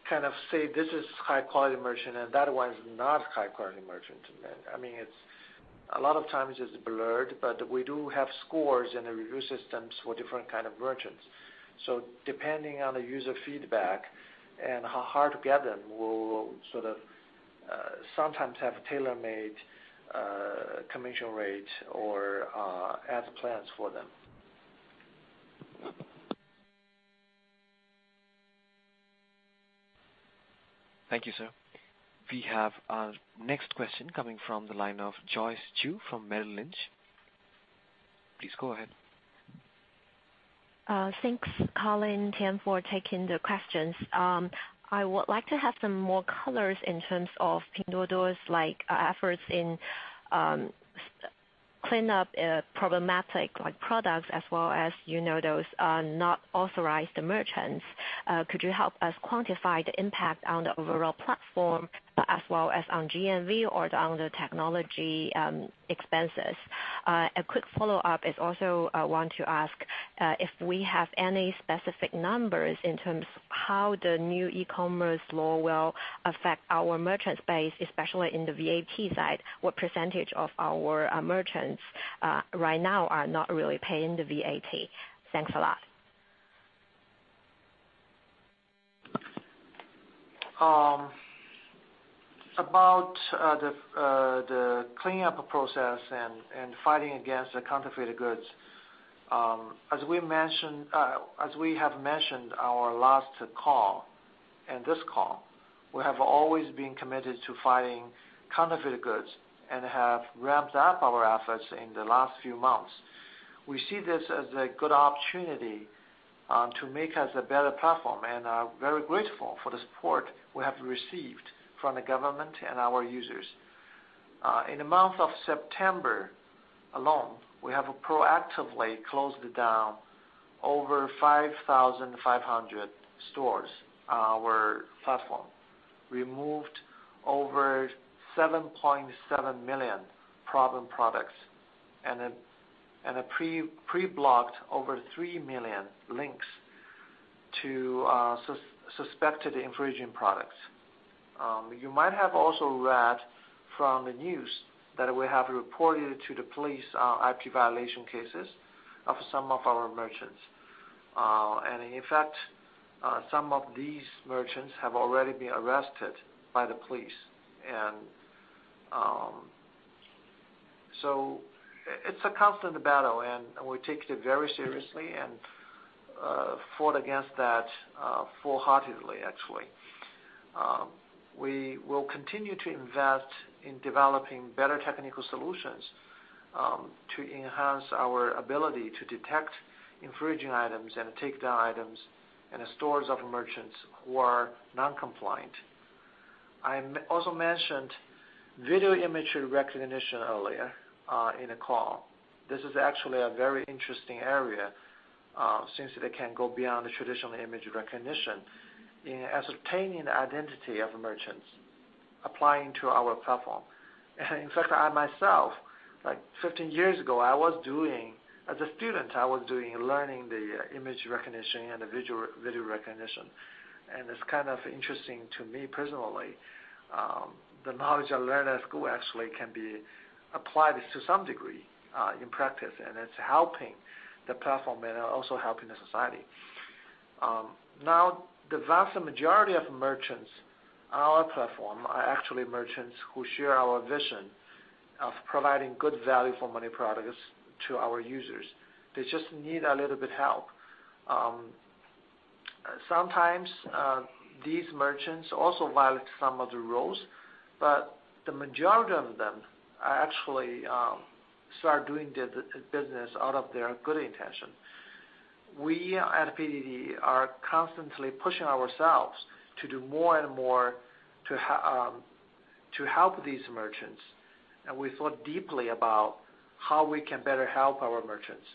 kind of say, "This is high-quality merchant, and that one is not high-quality merchant." I mean, it's a lot of times it's blurred, but we do have scores in the review systems for different kind of merchants. Depending on the user feedback and how hard to get them, we'll sort of sometimes have a tailor-made commission rate or ads plans for them. Thank you, sir. We have our next question coming from the line of Joyce Ju from Merrill Lynch. Please go ahead. Thanks, Colin, Tian, for taking the questions. I would like to have some more colors in terms of Pinduoduo's efforts in cleanup, problematic products as well as, you know, those not authorized merchants. Could you help us quantify the impact on the overall platform, as well as on GMV or on the technology expenses? A quick follow-up is also I want to ask if we have any specific numbers in terms how the new e-commerce law will affect our merchant base, especially in the VAT side. What percentage of our merchants right now are not really paying the VAT? Thanks a lot. About the cleanup process and fighting against the counterfeited goods, as we have mentioned our last call and this call, we have always been committed to fighting counterfeited goods and have ramped up our efforts in the last few months. We see this as a good opportunity to make us a better platform and are very grateful for the support we have received from the government and our users. In the month of September alone, we have proactively closed down over 5,500 stores, our platform, removed over 7.7 million problem products and pre-blocked over 3 million links to suspected infringing products. You might have also read from the news that we have reported to the police, IP violation cases of some of our merchants. In fact, some of these merchants have already been arrested by the police. It's a constant battle, we take it very seriously and fought against that full-heartedly, actually. We will continue to invest in developing better technical solutions to enhance our ability to detect infringing items and take down items in the stores of merchants who are non-compliant. I also mentioned video image recognition earlier in the call. This is actually a very interesting area since it can go beyond the traditional image recognition in ascertaining the identity of merchants applying to our platform. In fact, I myself, like 15 years ago, as a student, I was learning the image recognition and the visual video recognition, and it's kind of interesting to me personally. The knowledge I learned at school actually can be applied to some degree in practice, and it's helping the platform and also helping the society. The vast majority of merchants on our platform are actually merchants who share our vision of providing good value for money products to our users. They just need a little bit help. Sometimes these merchants also violate some of the rules, the majority of them are actually start doing the business out of their good intention. We at PDD are constantly pushing ourselves to do more and more to help these merchants, and we thought deeply about how we can better help our merchants.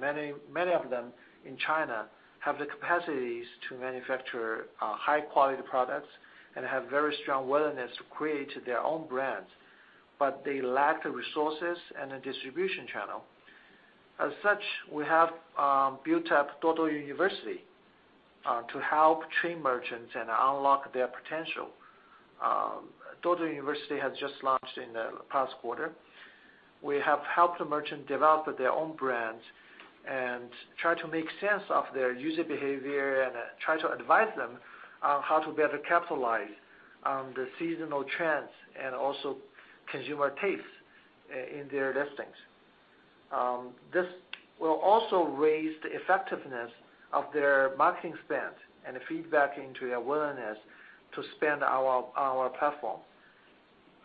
Many, many of them in China have the capacities to manufacture high-quality products and have very strong willingness to create their own brands, but they lack the resources and the distribution channel. As such, we have built up Duoduo University to help train merchants and unlock their potential. Duoduo University has just launched in the past quarter. We have helped the merchant develop their own brands and try to make sense of their user behavior and try to advise them on how to better capitalize on the seasonal trends and also consumer tastes in their listings. This will also raise the effectiveness of their marketing spend and feedback into their willingness to spend our platform.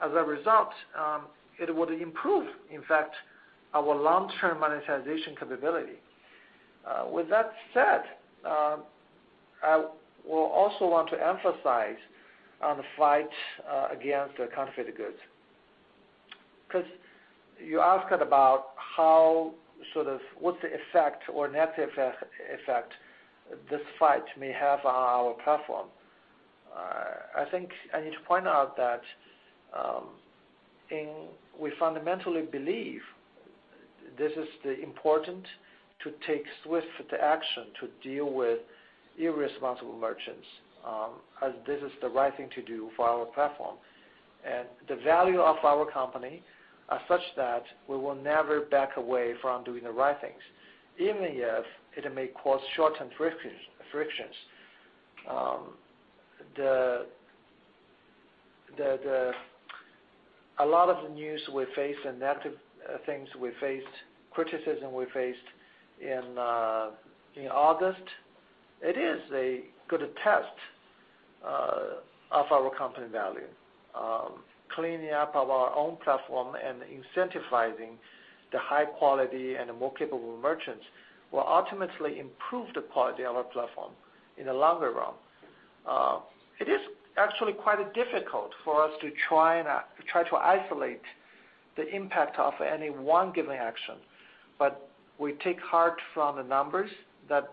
As a result, it would improve, in fact, our long-term monetization capability. With that said, I will also want to emphasize on the fight against the counterfeit goods. You asked about how sort of what's the effect or net effect this fight may have on our platform. I think I need to point out that, we fundamentally believe this is the important to take swift action to deal with irresponsible merchants, as this is the right thing to do for our platform. And the value of our company are such that we will never back away from doing the right things, even if it may cause short-term frictions. A lot of the news we face and negative things we faced, criticism we faced in August, it is a good test of our company value. Cleaning up of our own platform and incentivizing the high quality and the more capable merchants will ultimately improve the quality of our platform in the longer run. It is actually quite difficult for us to try to isolate the impact of any one given action. We take heart from the numbers that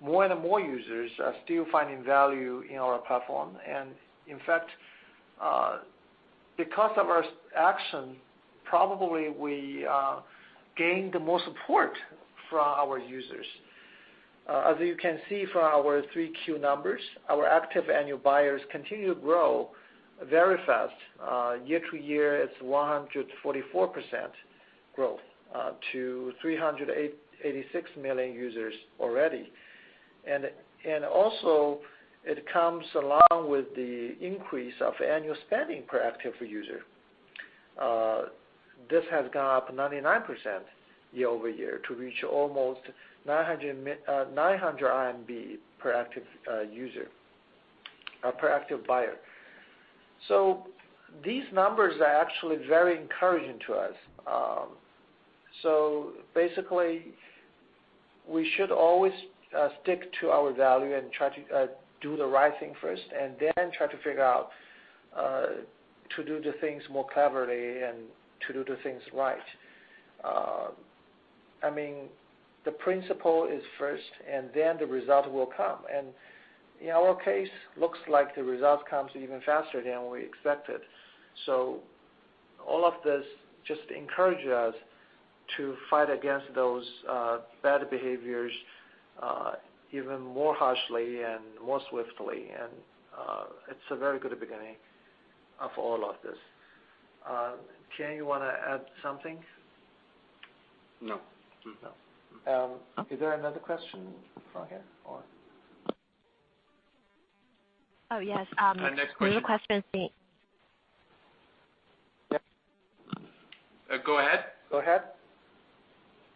more and more users are still finding value in our platform. In fact, because of our action, probably we gained more support from our users. As you can see from our 3Q numbers, our active annual buyers continue to grow very fast. Year-over-year, it's 144% growth to 386 million users already. Also it comes along with the increase of annual spending per active user. This has gone up 99% year-over-year to reach almost 900 RMB per active user, per active buyer. These numbers are actually very encouraging to us. Basically, we should always stick to our value and try to do the right thing first and then try to figure out to do the things more cleverly and to do the things right. I mean, the principle is first, and then the result will come. In our case, looks like the result comes even faster than we expected. All of this just encourage us to fight against those bad behaviors even more harshly and more swiftly. It's a very good beginning of all of this. Tian, you wanna add something? No. No. Is there another question from here or? Oh, yes. Next question. new question. Yeah. Go ahead. Go ahead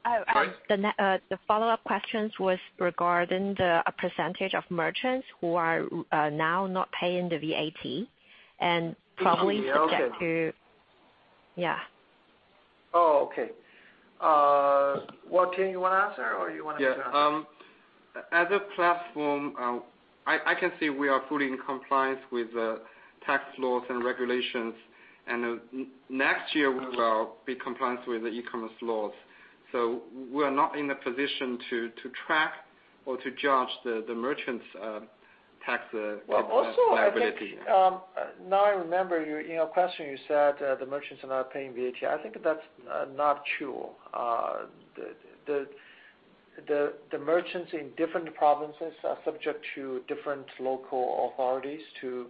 The follow-up questions was regarding the percentage of merchants who are now not paying the VAT. Oh, okay. Well, Tian, you wanna answer, or you want me to answer? Yeah. As a platform, I can say we are fully in compliance with the tax laws and regulations, and next year we will be compliance with the e-commerce laws. We're not in a position to track or to judge the merchants' tax liability. I think, now I remember your, in your question you said, the merchants are not paying VAT. I think that's not true. The merchants in different provinces are subject to different local authorities to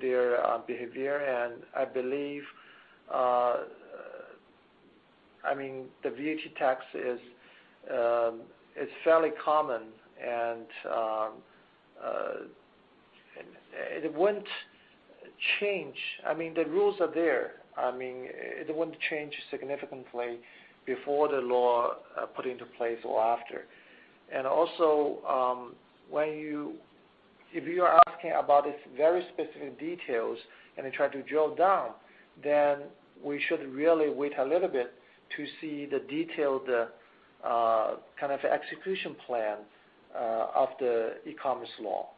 their behavior. I believe, I mean, the VAT tax is fairly common, and it wouldn't change. I mean, the rules are there. I mean, it wouldn't change significantly before the law put into place or after. If you are asking about its very specific details and then try to drill down, then we should really wait a little bit to see the detailed kind of execution plan of the e-commerce law.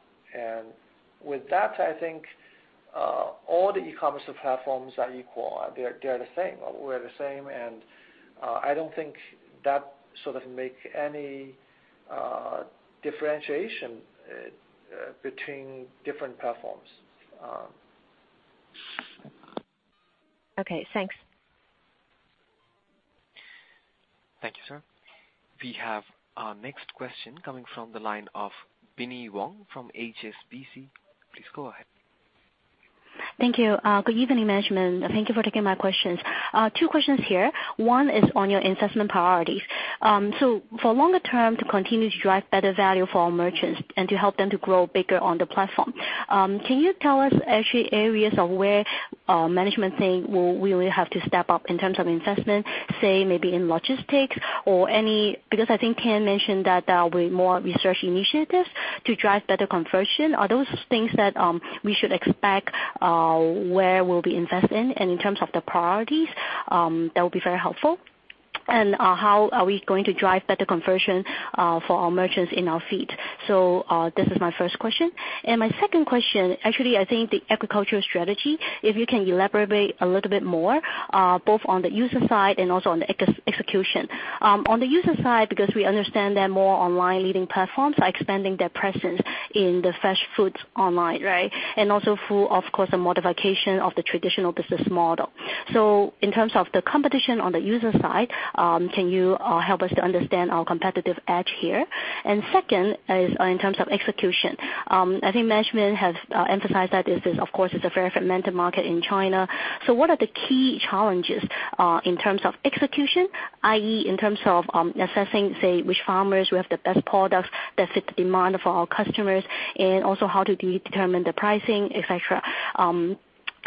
With that, I think, all the e-commerce platforms are equal. They're the same. We're the same, and, I don't think that sort of make any differentiation between different platforms. Okay, thanks. Thank you, sir. We have our next question coming from the line of Binnie Wong from HSBC. Please go ahead. Thank you. Good evening, management. Thank you for taking my questions. Two questions here. One is on your investment priorities. For longer term to continue to drive better value for our merchants and to help them to grow bigger on the platform, can you tell us actually areas of where management think we will have to step up in terms of investment, say maybe in logistics or any? I think Tian mentioned that there will be more research initiatives to drive better conversion. Are those things that we should expect where we'll be investing? In terms of the priorities, that will be very helpful. How are we going to drive better conversion for our merchants in our feed? This is my first question. My second question, actually, I think the agricultural strategy, if you can elaborate a little bit more, both on the user side and also on the execution. On the user side, because we understand there are more online leading platforms are expanding their presence in the fresh foods online, right? Also through, of course, the modification of the traditional business model. In terms of the competition on the user side, can you help us to understand our competitive edge here? Second is, in terms of execution. I think management has emphasized that this is, of course, it's a very fragmented market in China. What are the key challenges in terms of execution, i.e., in terms of assessing, say, which farmers who have the best products that fit the demand for our customers, and also how to determine the pricing, et cetera.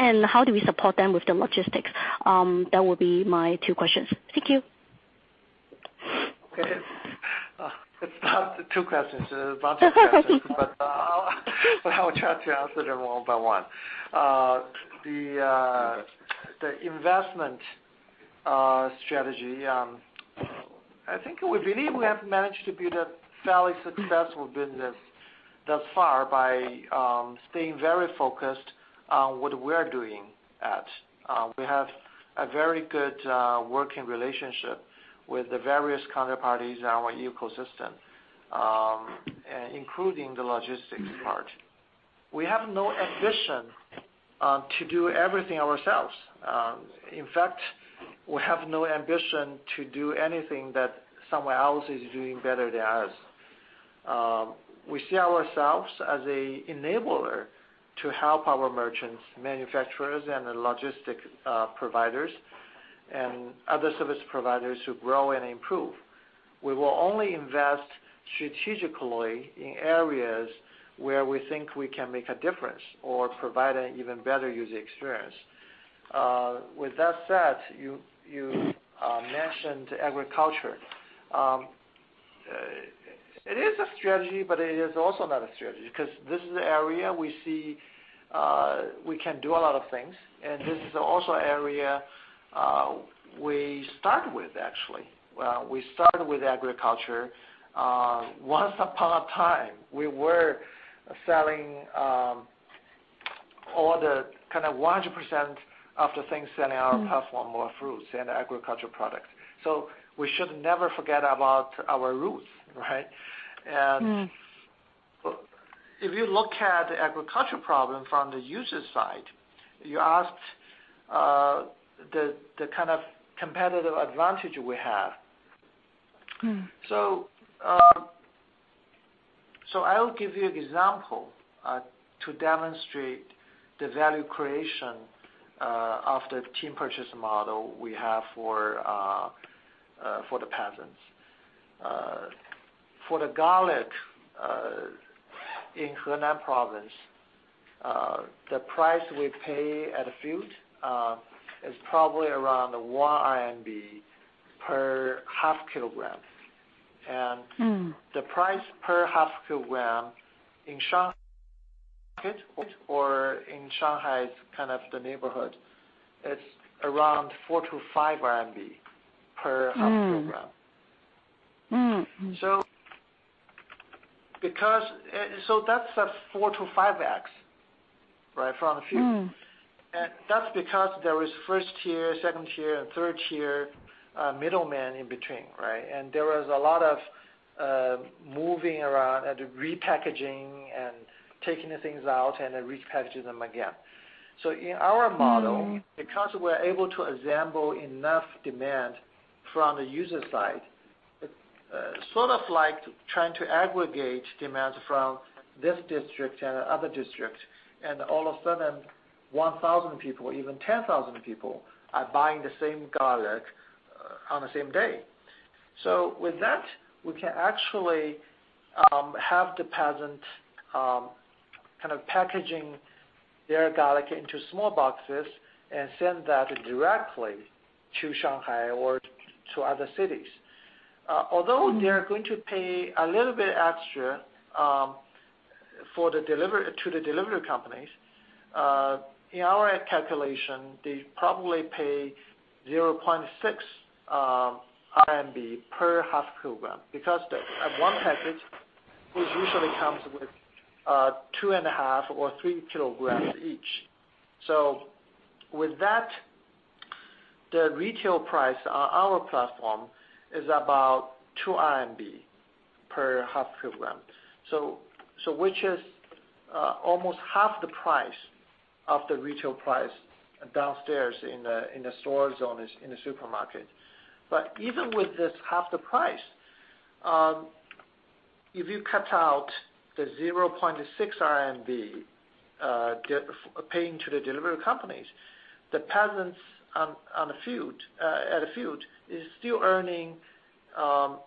And how do we support them with the logistics? That would be my two questions. Thank you. Okay. It's not two questions. There's a bunch of questions. I'll try to answer them one by one. Investment the investment strategy, I think we believe we have managed to build a fairly successful business thus far by staying very focused on what we're doing at. We have a very good working relationship with the various counterparties in our ecosystem, including the logistics part. We have no ambition to do everything ourselves. In fact, we have no ambition to do anything that someone else is doing better than us. We see ourselves as a enabler to help our merchants, manufacturers, and the logistic providers and other service providers to grow and improve. We will only invest strategically in areas where we think we can make a difference or provide an even better user experience. With that said, you mentioned agriculture. It is a strategy, but it is also not a strategy because this is an area we see, we can do a lot of things, and this is also area, we started with actually. We started with agriculture. Once upon a time, we were selling, all the kind of 100% of the things selling on our platform were fruits and agricultural products. We should never forget about our roots, right? If you look at the agriculture problem from the user's side, you asked, the kind of competitive advantage we have. I'll give you an example to demonstrate the value creation of the Team Purchase model we have for the peasants. For the garlic in Henan province, the price we pay at the field is probably around 1 RMB per half kilogram. the price per half kilogram in Shanghai or in Shanghai's kind of the neighborhood, it's around 4-5 RMB per half kilogram. Mm. Mm. Mm. That's a 4x-5x, right, from the field. That's because there is 1st tier, 2nd tier, and 3rd tier middleman in between, right? There was a lot of moving around and repackaging and taking the things out and then repackaging them again. Because we're able to assemble enough demand from the user side, it's, sort of like trying to aggregate demands from this district and other district, and all of a sudden, 1,000 people, even 10,000 people are buying the same garlic on the same day. With that, we can actually, have the peasant, kind of packaging their garlic into small boxes and send that directly to Shanghai or to other cities. They're going to pay a little bit extra to the delivery companies. In our calculation, they probably pay 0.6 RMB per half kilogram because the one package, which usually comes with 2.5 or 3 kilograms each. The retail price on our platform is about 2 RMB per half kilogram. Which is almost half the price of the retail price downstairs in the supermarket. Even with this half the price, if you cut out the 0.6 RMB paying to the delivery companies, the peasants at the field is still earning CNY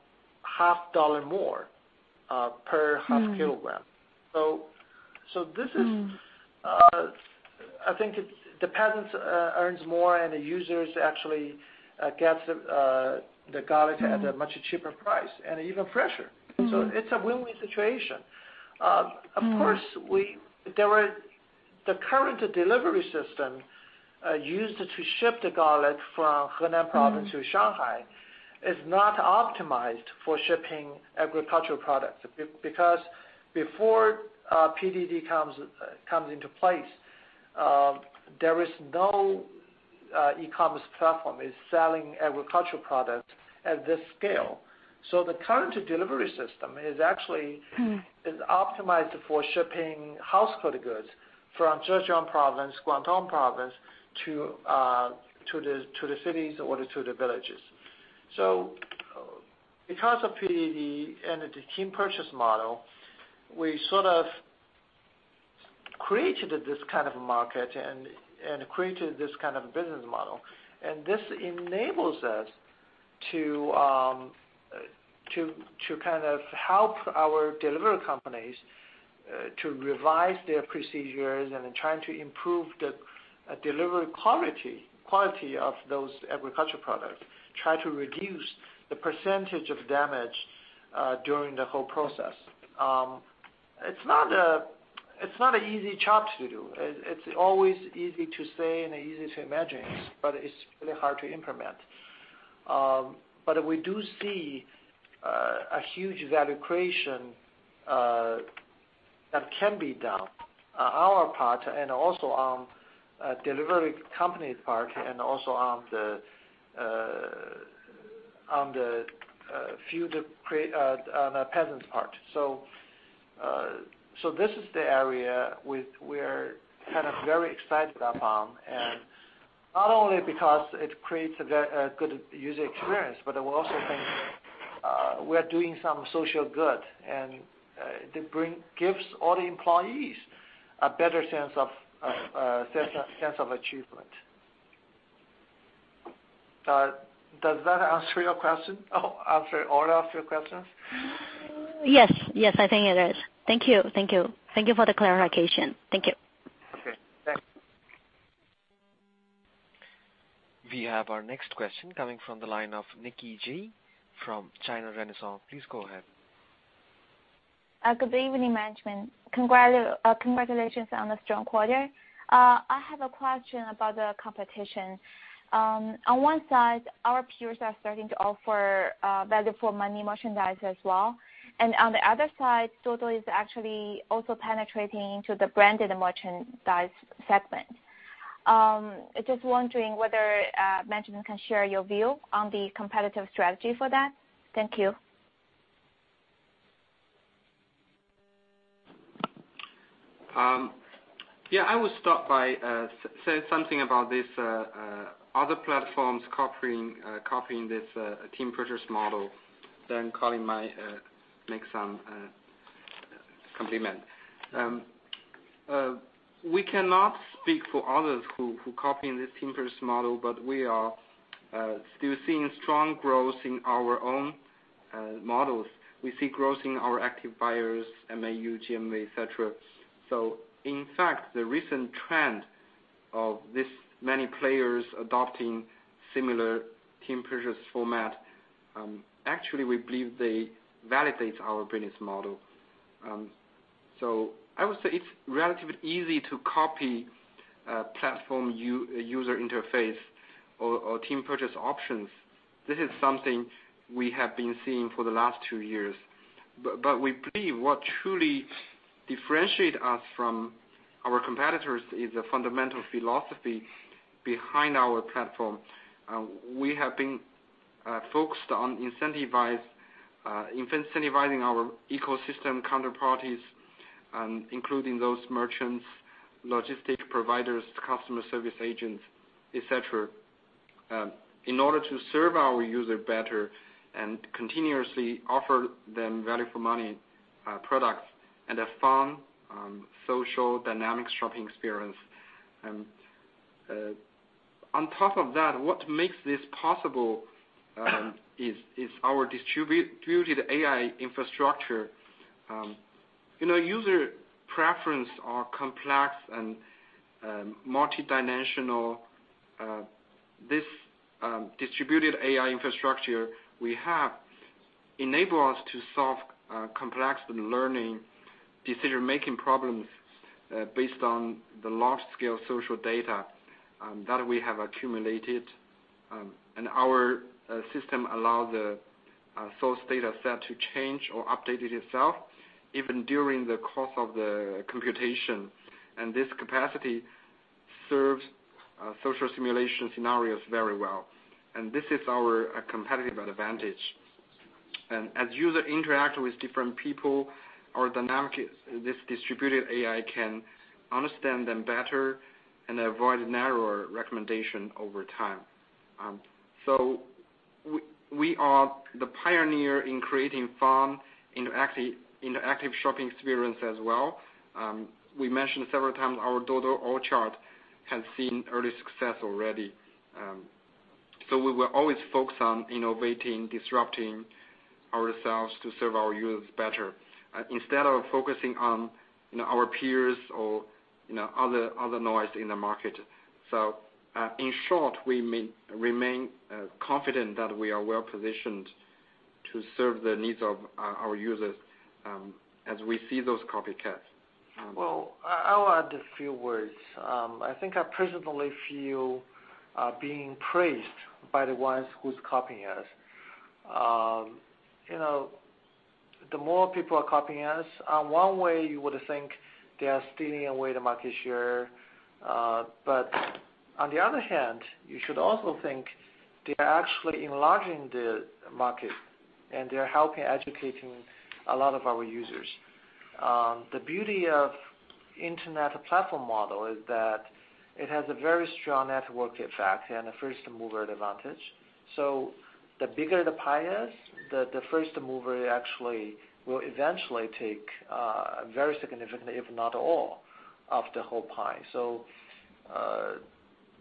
0.50 more per half kilogram. So, so this is- I think the peasants earns more, and the users actually gets the garlic at a much cheaper price and even fresher. it's a win-win situation. Of course, the current delivery system used to ship the garlic from Henan Province to Shanghai is not optimized for shipping agricultural products. Because before PDD comes into place, there is no e-commerce platform is selling agricultural products at this scale. The current delivery system is actually. is optimized for shipping household goods from Zhejiang Province, Guangdong Province to the cities or to the villages. Because of PDD and the Team Purchase model, we sort of created this kind of market and created this kind of business model. And this enables us to kind of help our delivery companies to revise their procedures and in trying to improve the delivery quality of those agricultural products, try to reduce the percentage of damage during the whole process. It's not a, it's not an easy job to do. It's always easy to say and easy to imagine, but it's really hard to implement. We do see a huge value creation that can be done on our part and also on delivery company's part and also on the on the field of cra- on the peasants part. This is the area we're kind of very excited about, and not only because it creates a good user experience, but we also think we are doing some social good, and it gives all the employees a better sense of sense of achievement. Does that answer your question or answer all of your questions? Yes. Yes, I think it is. Thank you. Thank you. Thank you for the clarification. Thank you. Okay. Thanks. We have our next question coming from the line of Nicky Ge from China Renaissance. Please go ahead. Good evening, management. Congratulations on the strong quarter. I have a question about the competition. On one side, our peers are starting to offer value for money merchandise as well. On the other side, Duoduo is actually also penetrating into the branded merchandise segment. Just wondering whether management can share your view on the competitive strategy for that. Thank you. Yeah, I will start by saying something about this other platforms copying this Team Purchase model, then Colin might make some comment. We cannot speak for others who copying this Team Purchase model, but we are still seeing strong growth in our own models. We see growth in our active buyers, MAU, GMV, et cetera. In fact, the recent trend of this many players adopting similar Team Purchase format, actually we believe they validate our business model. I would say it's relatively easy to copy a platform user interface or Team Purchase options. This is something we have been seeing for the last 2 years. We believe what truly differentiate us from our competitors is the fundamental philosophy behind our platform. We have been focused on incentivizing our ecosystem counterparties, including those merchants, logistic providers, customer service agents, et cetera, in order to serve our user better and continuously offer them value for money products and a fun social dynamic shopping experience. On top of that, what makes this possible is our distributed AI infrastructure. You know, user preference are complex and multidimensional. This distributed AI infrastructure we have enable us to solve complex learning decision-making problems based on the large scale social data that we have accumulated. And our system allow. Data set to change or update it itself even during the course of the computation. This capacity serves social simulation scenarios very well. This is our competitive advantage. As user interact with different people or dynamic, this distributed AI can understand them better and avoid narrower recommendation over time. We are the pioneer in creating fun in active shopping experience as well. We mentioned several times our Duo Duo Orchard has seen early success already, we will always focus on innovating, disrupting ourselves to serve our users better, instead of focusing on, you know, our peers or, you know, other noise in the market. In short, we may remain confident that we are well-positioned to serve the needs of our users, as we see those copycats. Well, I'll add a few words. I think I personally feel being praised by the ones who's copying us. You know, the more people are copying us, one way you would think they are stealing away the market share. On the other hand, you should also think they're actually enlarging the market, and they're helping educating a lot of our users. The beauty of internet platform model is that it has a very strong network effect and a first mover advantage. The bigger the pie is, the first mover actually will eventually take a very significant, if not all, of the whole pie.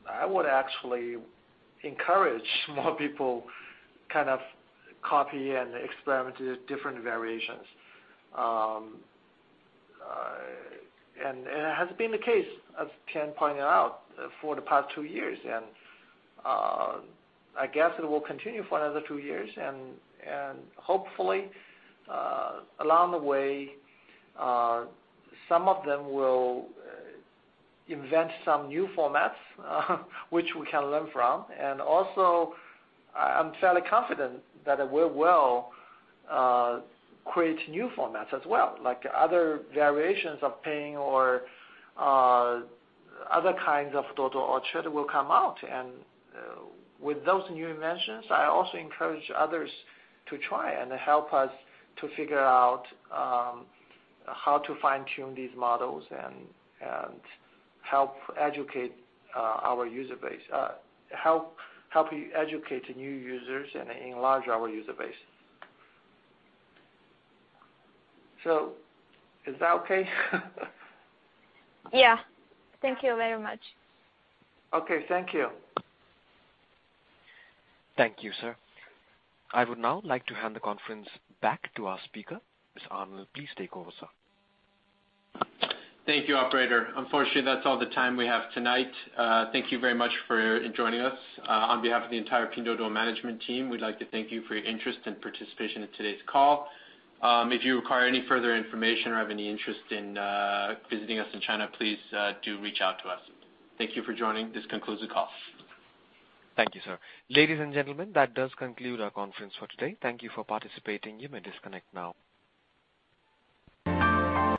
I would actually encourage more people kind of copy and experiment with different variations. It has been the case, as Tian pointed out, for the past two years. I guess it will continue for another two years and hopefully, along the way, some of them will invent some new formats, which we can learn from. Also, I'm fairly confident that we're well create new formats as well, like other variations of paying or, other kinds of Duo Duo Orchard will come out. With those new inventions, I also encourage others to try and help us to figure out how to fine-tune these models and help educate our user base. Help educate new users and enlarge our user base. Is that okay? Yeah. Thank you very much. Okay. Thank you. Thank you, sir. I would now like to hand the conference back to our speaker. Mr. Arnell, please take over, sir. Thank you, operator. Unfortunately, that's all the time we have tonight. Thank you very much for joining us. On behalf of the entire Pinduoduo management team, we'd like to thank you for your interest and participation in today's call. If you require any further information or have any interest in visiting us in China, please do reach out to us. Thank you for joining. This concludes the call. Thank you, sir. Ladies and gentlemen, that does conclude our conference for today. Thank you for participating. You may disconnect now.